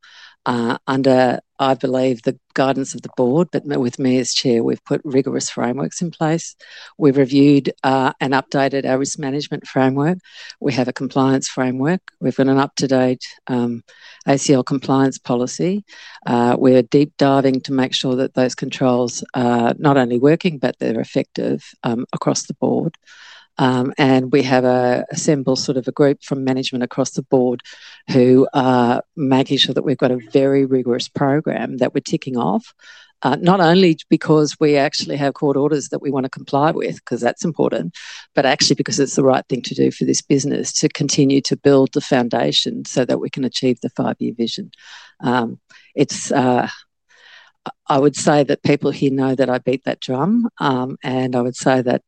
Under, I believe, the guidance of the board that met with me as Chair, we've put rigorous frameworks in place. We've reviewed and updated our risk management framework. We have a compliance framework. We've got an up-to-date ACL compliance policy. We're deep diving to make sure that those controls are not only working, but they're effective across the board. We have a simple sort of a group from management across the board who are making sure that we've got a very rigorous program that we're ticking off, not only because we actually have court orders that we want to comply with, because that's important, but actually because it's the right thing to do for this business to continue to build the foundation so that we can achieve the five-year vision. I would say that people here know that I beat that drum, and I would say that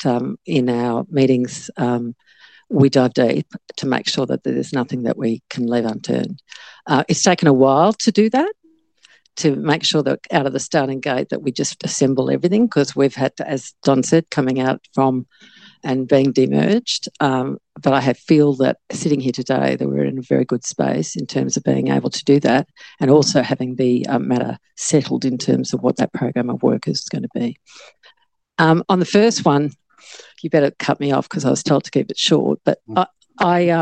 in our meetings, we dive deep to make sure that there's nothing that we can leave unturned. It's taken a while to do that, to make sure that out of the starting gate that we just assemble everything, because we've had to, as John said, coming out from and being demerged. I feel that sitting here today, that we're in a very good space in terms of being able to do that and also having the matter settled in terms of what that program of work is going to be. On the first one, you better cut me off because I was told to keep it short, but I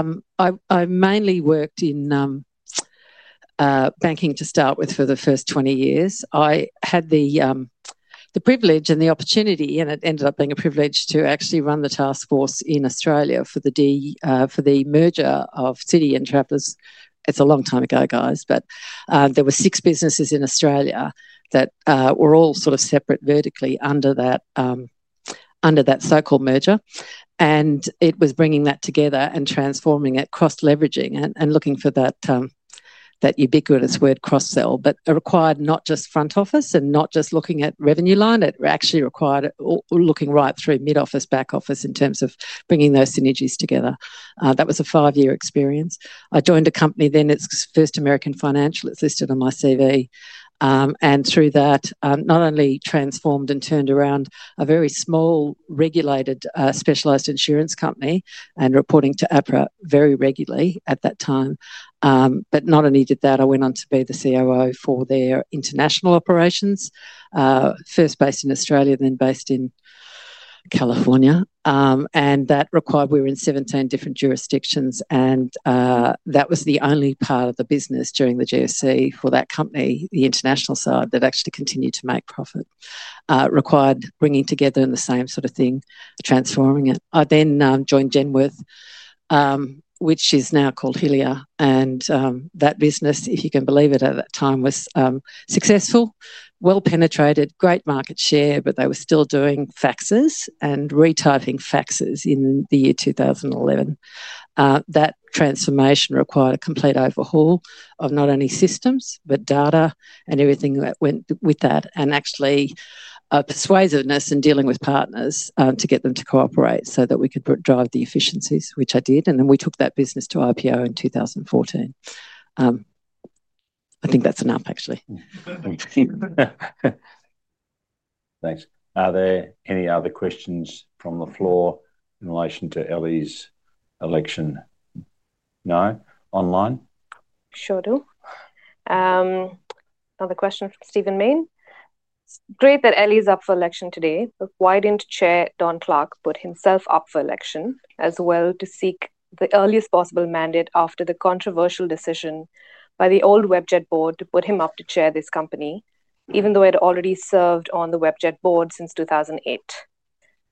mainly worked in banking to start with for the first 20 years. I had the privilege and the opportunity, and it ended up being a privilege to actually run the task force in Australia for the merger of Citi and Travelers. It's a long time ago, guys, but there were six businesses in Australia that were all sort of separate vertically under that so-called merger. It was bringing that together and transforming it, cross-leveraging and looking for that ubiquitous word cross-sell, but it required not just front office and not just looking at revenue line. It actually required looking right through mid-office, back-office in terms of bringing those synergies together. That was a five-year experience. I joined a company then, it's First American Financial. It's listed on my CV. Through that, not only transformed and turned around a very small regulated specialized insurance company and reporting to APRA very regularly at that time, but not only did that, I went on to be the COO for their international operations, first based in Australia, then based in California. That required we were in 17 different jurisdictions, and that was the only part of the business during the GFC for that company, the international side that actually continued to make profit. It required bringing together in the same sort of thing, transforming it. I then joined Genworth, which is now called Heliar, and that business, if you can believe it, at that time was successful, well-penetrated, great market share, but they were still doing faxes and retyping faxes in the year 2011. That transformation required a complete overhaul of not only systems, but data and everything that went with that, and actually a persuasiveness in dealing with partners to get them to cooperate so that we could drive the efficiencies, which I did. We took that business to IPO in 2014. I think that's enough, actually. Thanks. Are there any other questions from the floor in relation to Ellie's election? No? Online? Sure do. Another question from Stephen Main. It's great that Ellie's up for election today, but why didn't Chair Don Clarke put himself up for election as well to seek the earliest possible mandate after the controversial decision by the old Webjet Board to put him up to chair this company, even though he already served on the Webjet Board since 2008?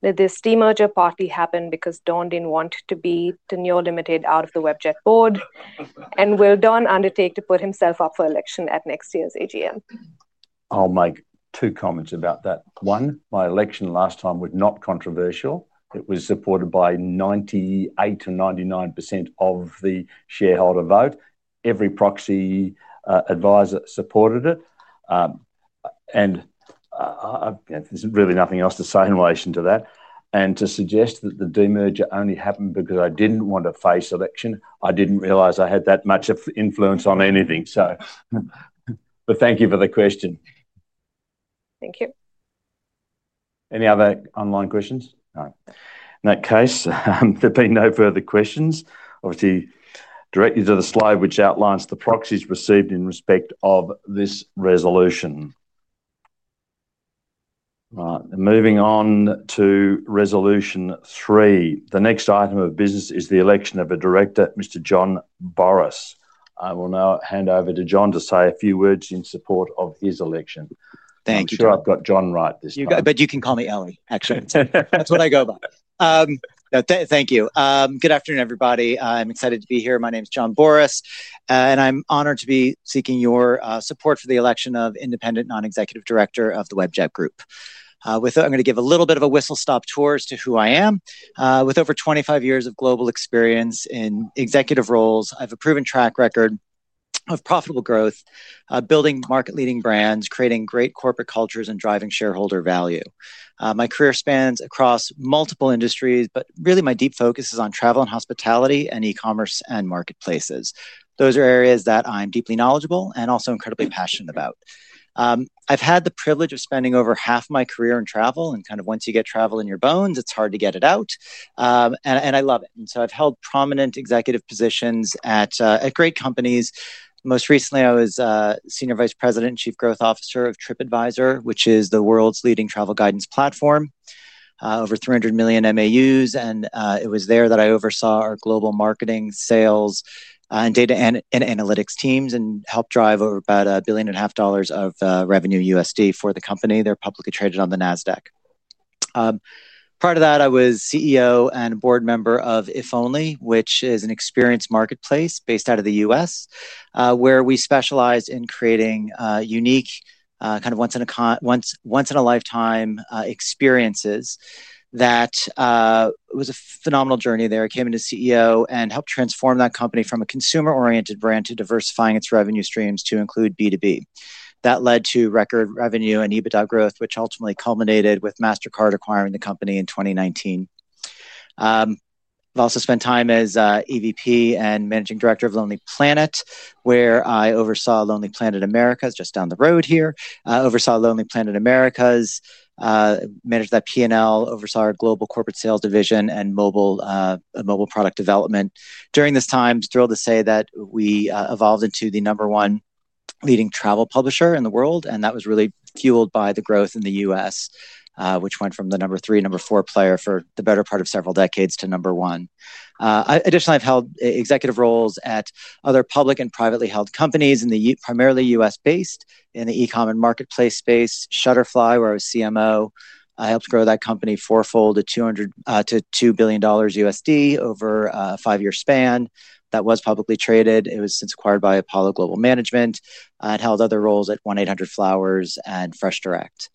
Did this demerger partly happen because Don didn't want to be tenure limited out of the Webjet Board? Will Don undertake to put himself up for election at next year's AGM? I'll make two comments about that. One, my election last time was not controversial. It was supported by 98%-99% of the shareholder vote. Every proxy advisor supported it. There's really nothing else to say in relation to that. To suggest that the demerger only happened because I didn't want to face election, I didn't realize I had that much influence on anything. Thank you for the question. Thank you. Any other online questions? All right. In that case, there've been no further questions. I direct you to the slide which outlines the proxies received in respect of this resolution. Moving on to resolution three. The next item of business is the election of a director, Mr. John Boris. I will now hand over to John to say a few words in support of his election. Thank you. Make sure I've got John right this time. You can call me Ellie, actually. That's what I go by. Thank you. Good afternoon, everybody. I'm excited to be here. My name is John Boris, and I'm honored to be seeking your support for the election of Independent Non-Executive Director of the Webjet Group. I'm going to give a little bit of a whistle-stop tour as to who I am. With over 25 years of global experience in executive roles, I have a proven track record of profitable growth, building market-leading brands, creating great corporate cultures, and driving shareholder value. My career spans across multiple industries, but really my deep focus is on travel and hospitality and e-commerce and marketplaces. Those are areas that I'm deeply knowledgeable and also incredibly passionate about. I've had the privilege of spending over half my career in travel, and once you get travel in your bones, it's hard to get it out. I love it. I've held prominent executive positions at great companies. Most recently, I was Senior Vice President and Chief Growth Officer of TripAdvisor, which is the world's leading travel guidance platform, over 300 million MAUs. It was there that I oversaw our global marketing, sales, and data analytics teams and helped drive over about $1.5 billion of revenue for the company. They're publicly traded on the NASDAQ. Prior to that, I was CEO and board member of IfOnly, which is an experience marketplace based out of the U.S., where we specialized in creating unique kind of once-in-a-lifetime experiences. That was a phenomenal journey there. I came in as CEO and helped transform that company from a consumer-oriented brand to diversifying its revenue streams to include B2B. That led to record revenue and EBITDA growth, which ultimately culminated with MasterCard acquiring the company in 2019. I've also spent time as EVP and Managing Director of Lonely Planet, where I oversaw Lonely Planet Americas, just down the road here, managed that P&L, oversaw our global corporate sales division and mobile product development. During this time, I'm thrilled to say that we evolved into the number one leading travel publisher in the world, and that was really fueled by the growth in the U.S., which went from the number three, number four player for the better part of several decades to number one. Additionally, I've held executive roles at other public and privately held companies, primarily U.S.-based, in the e-commerce and marketplace space, Shutterfly, where I was CMO. I helped grow that company fourfold to $2 billion over a five-year span. That was publicly traded. It was since acquired by Apollo Global Management. I had held other roles at 1-800-Flowers and FreshDirect.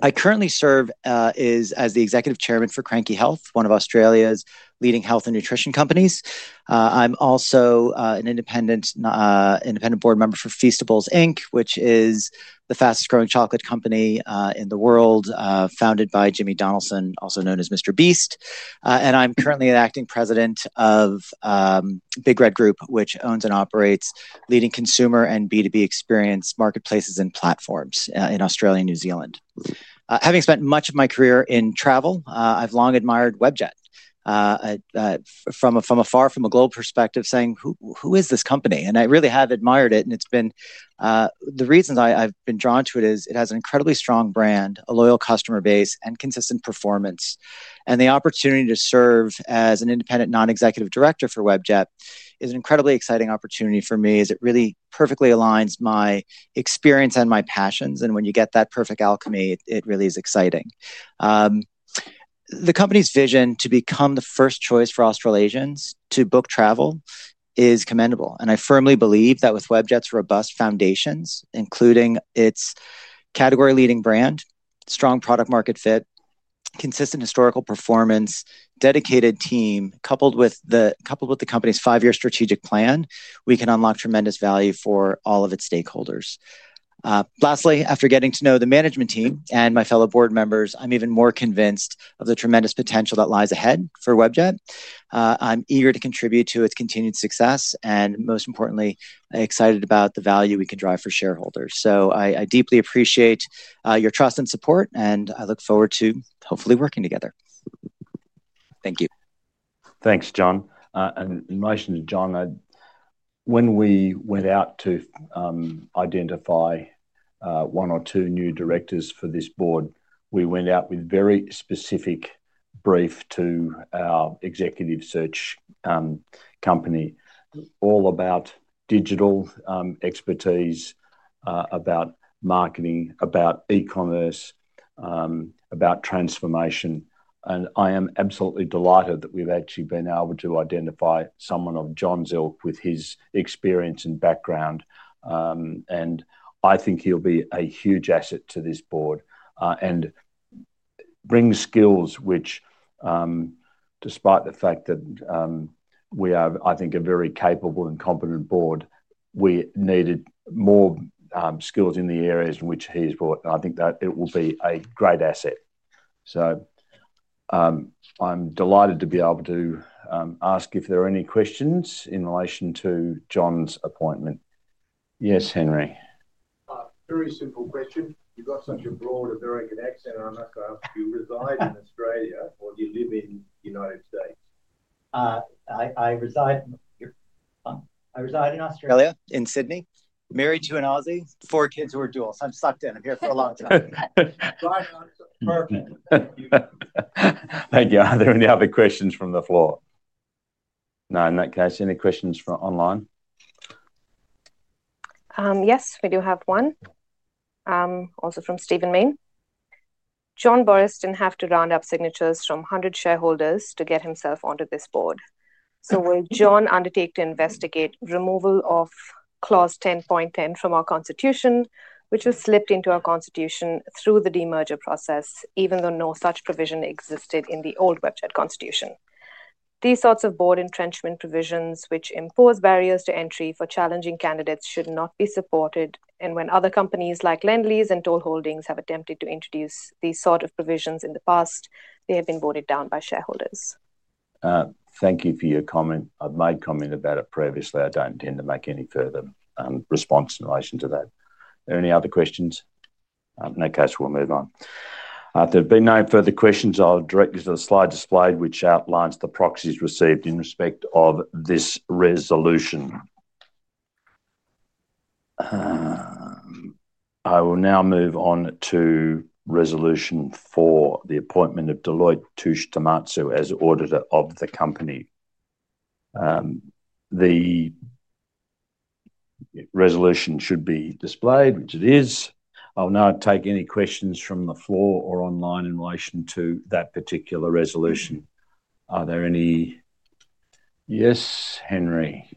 I currently serve as the Executive Chairman for Cranky Health, one of Australia's leading health and nutrition companies. I'm also an independent board member for Feastables Inc., which is the fastest growing chocolate company in the world, founded by Jimmy Donaldson, also known as Mr. Beast. I'm currently an acting president of Big Red Group, which owns and operates leading consumer and B2B experience marketplaces and platforms in Australia and New Zealand. Having spent much of my career in travel, I've long admired Webjet from afar, from a global perspective, saying, who is this company? I really have admired it. The reasons I've been drawn to it are it has an incredibly strong brand, a loyal customer base, and consistent performance. The opportunity to serve as an Independent Non-Executive Director for Webjet is an incredibly exciting opportunity for me as it really perfectly aligns my experience and my passions. When you get that perfect alchemy, it really is exciting. The company's vision to become the first choice for Australasians to book travel is commendable. I firmly believe that with Webjet's robust foundations, including its category-leading brand, strong product-market fit, consistent historical performance, dedicated team, coupled with the company's five-year strategic plan, we can unlock tremendous value for all of its stakeholders. Lastly, after getting to know the management team and my fellow board members, I'm even more convinced of the tremendous potential that lies ahead for Webjet. I'm eager to contribute to its continued success and, most importantly, excited about the value we can drive for shareholders. I deeply appreciate your trust and support, and I look forward to hopefully working together. Thank you. Thanks, John. In relation to John, when we went out to identify one or two new directors for this board, we went out with a very specific brief to our executive search company, all about digital expertise, about marketing, about e-commerce, about transformation. I am absolutely delighted that we've actually been able to identify someone of John's ilk with his experience and background. I think he'll be a huge asset to this board and bring skills which, despite the fact that we are, I think, a very capable and competent board, we needed more skills in the areas in which he's brought. I think that it will be a great asset. I'm delighted to be able to ask if there are any questions in relation to John's appointment. Yes, Henry. Very simple question. You've got such a broad and very good accent. I'm not sure if you reside in Australia or do you live in the United States? I reside in Australia, in Sydney, married to an Aussie, four kids who are duals. I'm sucked in. I'm here for a long time. Thank you. Are there any other questions from the floor? No, in that case, any questions from online? Yes, we do have one, also from Stephen Main. John Boris didn't have to round up signatures from 100 shareholders to get himself onto this board. Will John undertake to investigate removal of clause 10.10 from our Constitution, which was slipped into our Constitution through the demerger process, even though no such provision existed in the old Webjet Constitution? These sorts of board entrenchment provisions, which impose barriers to entry for challenging candidates, should not be supported. When other companies like Lendlease and Toll Holdings have attempted to introduce these sorts of provisions in the past, they have been voted down by shareholders. Thank you for your comment. I'd made comment about it previously. I don't intend to make any further response in relation to that. Are there any other questions? In that case, we'll move on. If there have been no further questions, I'll direct you to the slide displayed, which outlines the proxies received in respect of this resolution. I will now move on to resolution four, the appointment of Deloitte Touche Tohmatsu as the auditor of the company. The resolution should be displayed, which it is. I'll now take any questions from the floor or online in relation to that particular resolution. Are there any? Yes, Henry.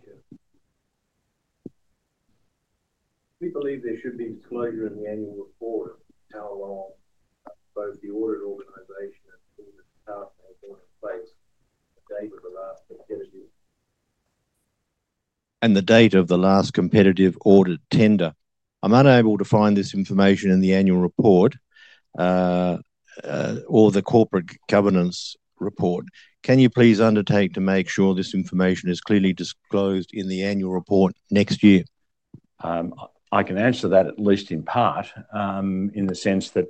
Do you believe there should be disclosure in the annual report how long both the audit organizations. The date of the last competitive audit tender, I'm unable to find this information in the annual report or the corporate governance report. Can you please undertake to make sure this information is clearly disclosed in the annual report next year? I can answer that at least in part, in the sense that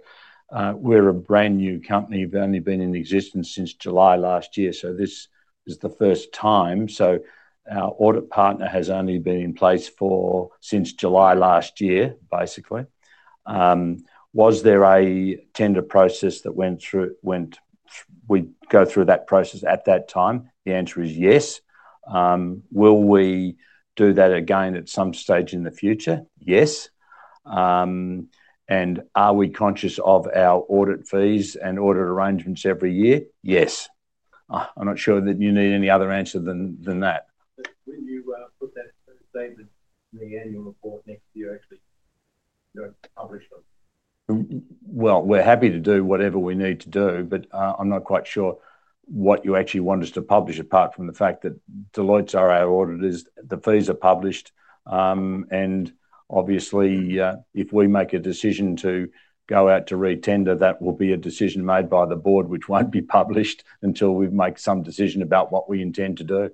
we're a brand new company. We've only been in existence since July last year. This is the first time. Our audit partner has only been in place since July last year, basically. Was there a tender process that went through? We'd go through that process at that time. The answer is yes. Will we do that again at some stage in the future? Yes. Are we conscious of our audit fees and audit arrangements every year? Yes. I'm not sure that you need any other answer than that. When you put that statement in the annual report next year, actually, you're not going to publish them. We're happy to do whatever we need to do, but I'm not quite sure what you actually want us to publish apart from the fact that Deloitte's our auditors, the fees are published. Obviously, if we make a decision to go out to re-tender, that will be a decision made by the board, which won't be published until we make some decision about what we intend to do.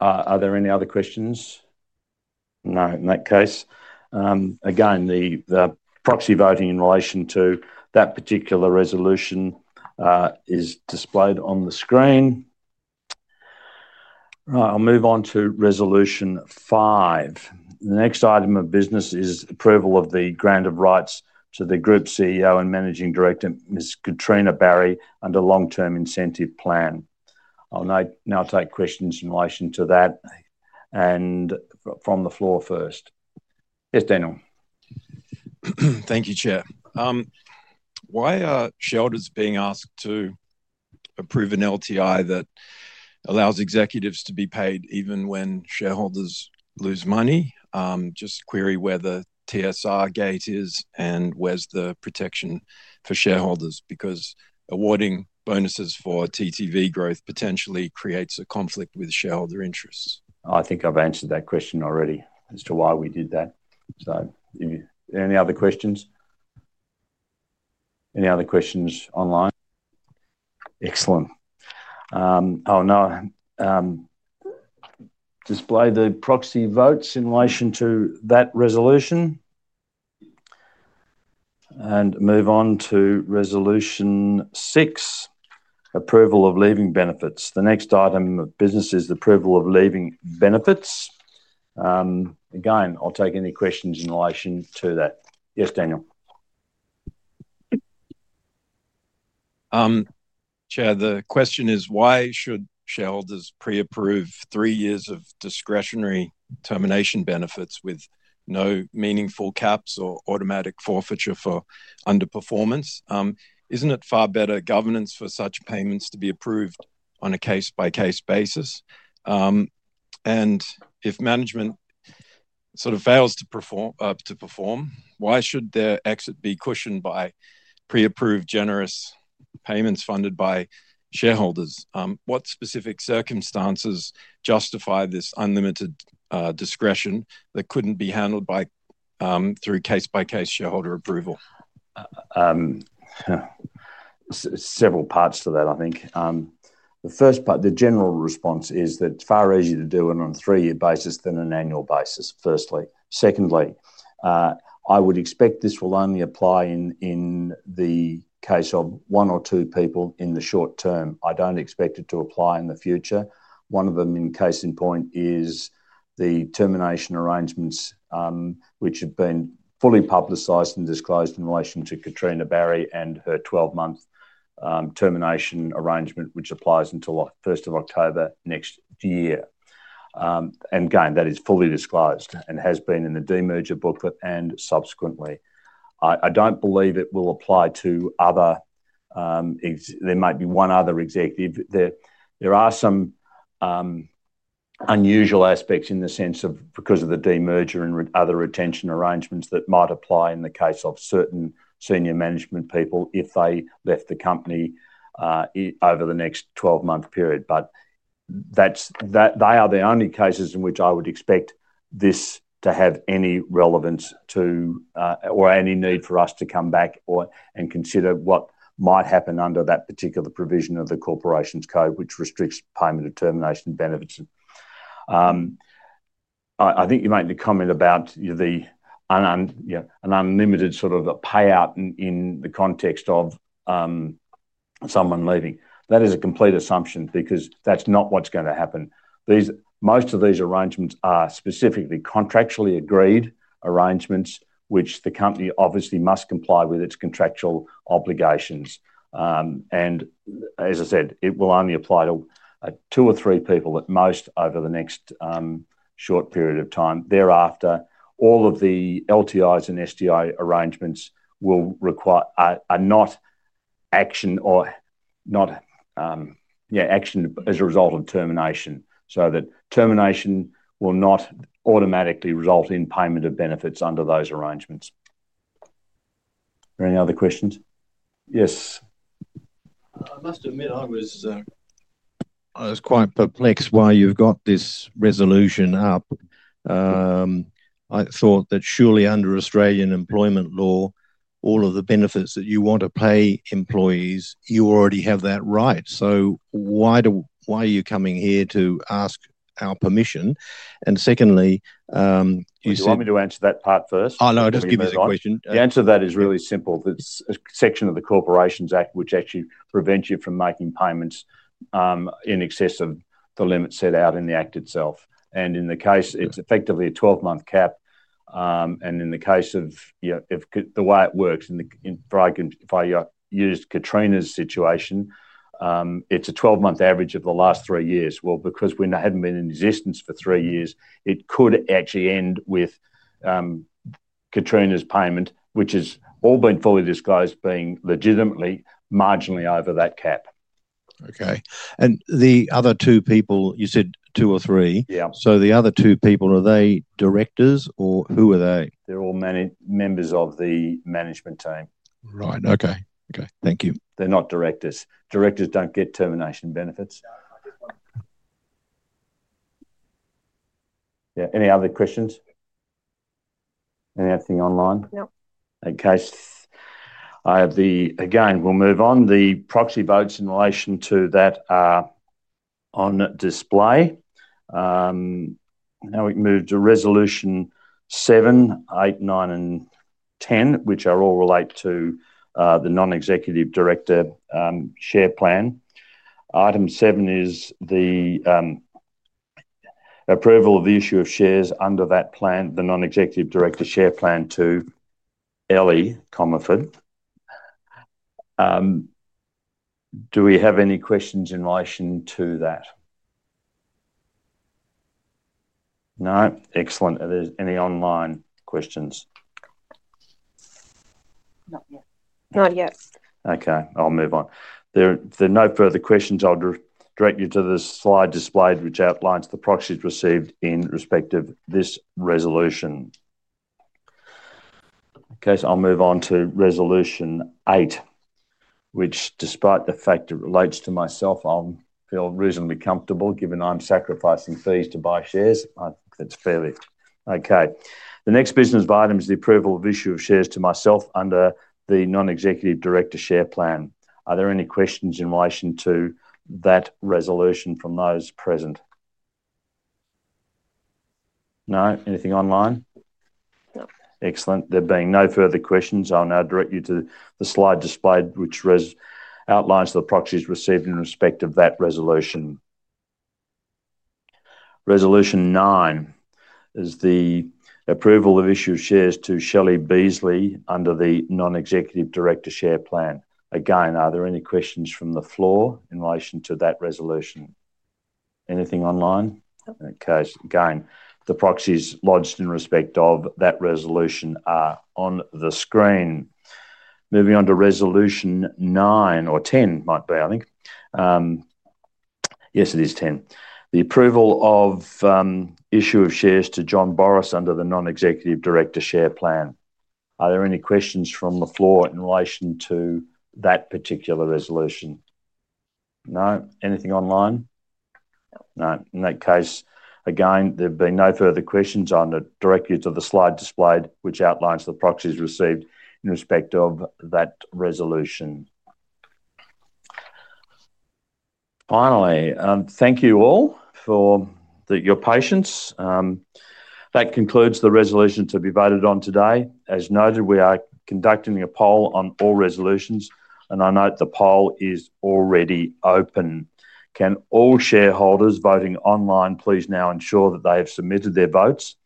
Are there any other questions? No, in that case, again, the proxy voting in relation to that particular resolution is displayed on the screen. I'll move on to resolution five. The next item of business is approval of the grant of rights to the Group CEO and Managing Director, Ms. Katrina Barry, under a long-term incentive plan. I'll now take questions in relation to that and from the floor first. Yes, Daniel. Thank you, Chair. Why are shareholders being asked to approve an LTI that allows executives to be paid even when shareholders lose money? Just query where the TSR gate is and where's the protection for shareholders, because awarding bonuses for TTV growth potentially creates a conflict with shareholder interests. I think I've answered that question already as to why we did that. Any other questions? Any other questions online? Excellent. I'll now display the proxy votes in relation to that resolution and move on to resolution six, approval of leaving benefits. The next item of business is approval of leaving benefits. Again, I'll take any questions in relation to that. Yes, Daniel. Chair, the question is, why should shareholders pre-approve three years of discretionary termination benefits with no meaningful caps or automatic forfeiture for underperformance? Isn't it far better governance for such payments to be approved on a case-by-case basis? If management fails to perform, why should their exit be cushioned by pre-approved generous payments funded by shareholders? What specific circumstances justify this unlimited discretion that couldn't be handled through case-by-case shareholder approval? Several parts to that, I think. The first part, the general response is that it's far easier to do it on a three-year basis than an annual basis, firstly. Secondly, I would expect this will only apply in the case of one or two people in the short term. I don't expect it to apply in the future. One of them, in case in point, is the termination arrangements, which have been fully publicized and disclosed in relation to Katrina Barry and her 12-month termination arrangement, which applies until 1st of October next year. That is fully disclosed and has been in the demerger booklet and subsequently. I don't believe it will apply to other. There might be one other executive. There are some unusual aspects in the sense of because of the demerger and other retention arrangements that might apply in the case of certain senior management people if they left the company over the next 12-month period. That's that. They are the only cases in which I would expect this to have any relevance to or any need for us to come back and consider what might happen under that particular provision of the Corporations Code, which restricts payment of termination benefits. I think you made the comment about an unlimited sort of payout in the context of someone leaving. That is a complete assumption because that's not what's going to happen. Most of these arrangements are specifically contractually agreed arrangements, which the company obviously must comply with its contractual obligations. As I said, it will only apply to two or three people at most over the next short period of time. Thereafter, all of the LTIs and STI arrangements are not action or not, yeah, action as a result of termination. That termination will not automatically result in payment of benefits under those arrangements. Are there any other questions? Yes. I must admit I was quite perplexed why you've got this resolution up. I thought that surely under Australian employment law, all of the benefits that you want to pay employees, you already have that right. Why are you coming here to ask our permission? Secondly. Do you want me to answer that part first? Oh, no, just give me the question. The answer to that is really simple. It's a section of the Corporations Act, which actually prevents you from making payments in excess of the limit set out in the Act itself. In this case, it's effectively a 12-month cap. In the case of the way it works, if I use Katrina's situation, it's a 12-month average of the last three years. Because we hadn't been in existence for three years, it could actually end with Katrina's payment, which has all been fully disclosed, being legitimately marginally over that cap. Okay. The other two people, you said two or three. Yeah. The other two people, are they directors or who are they? They're all members of the management team. Right. Okay. Thank you. They're not directors. Directors don't get termination benefits. Any other questions? Anything online? Nope. In case I have the, again, we'll move on. The proxy votes in relation to that are on display. Now we can move to resolutions 7, 8, 9, and 10, which all relate to the non-executive director share plan. Item seven is the approval of the issue of shares under that plan, the non-executive director share plan to Ellie Comerford. Do we have any questions in relation to that? No? Excellent. Are there any online questions? Not yet. Not yet. Okay. I'll move on. If there are no further questions, I'll direct you to the slide displayed, which outlines the proxies received in respect of this resolution. I'll move on to resolution eight, which despite the fact it relates to myself, I feel reasonably comfortable given I'm sacrificing fees to buy shares. I think that's fairly okay. The next business item is the approval of issue of shares to myself under the non-executive director share plan. Are there any questions in relation to that resolution from those present? No? Anything online? Excellent. There being no further questions, I'll now direct you to the slide displayed, which outlines the proxies received in respect of that resolution. Resolution nine is the approval of issue of shares to Shelley Beasley under the non-executive director share plan. Again, are there any questions from the floor in relation to that resolution? Anything online? Nope. Okay. Again, the proxies lodged in respect of that resolution are on the screen. Moving on to resolution ten. The approval of issue of shares to John Boris under the non-executive director share plan. Are there any questions from the floor in relation to that particular resolution? No? Anything online? No. In that case, again, there'd be no further questions. I'll direct you to the slide displayed, which outlines the proxies received in respect of that resolution. Finally, thank you all for your patience. That concludes the resolutions to be voted on today. As noted, we are conducting a poll on all resolutions, and I note the poll is already open. Can all shareholders voting online please now ensure that they have submitted their votes?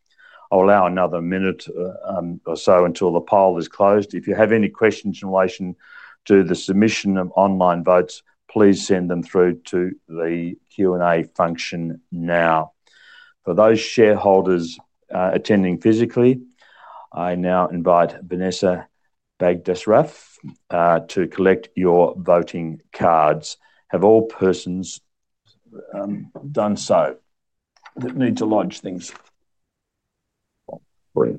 I'll allow another minute or so until the poll is closed. If you have any questions in relation to the submission of online votes, please send them through to the Q&A function now. For those shareholders attending physically, I now invite Vanessa Baghdasraf to collect your voting cards. Have all persons done so? Need to launch things. Great.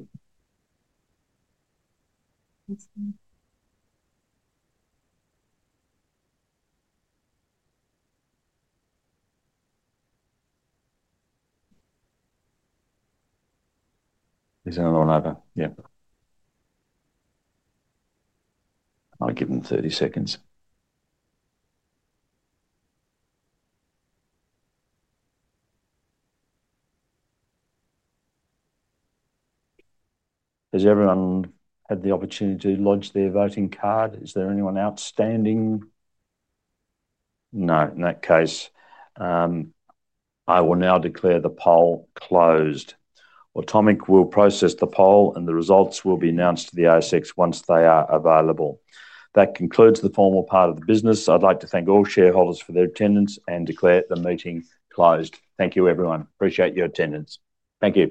Is that on over? Yeah. I'll give them 30 seconds. Has everyone had the opportunity to launch their voting card? Is there anyone outstanding? No. In that case, I will now declare the poll closed. Tommy will process the poll, and the results will be announced to the ASX once they are available. That concludes the formal part of the business. I'd like to thank all shareholders for their attendance and declare the meeting closed. Thank you, everyone. Appreciate your attendance. Thank you.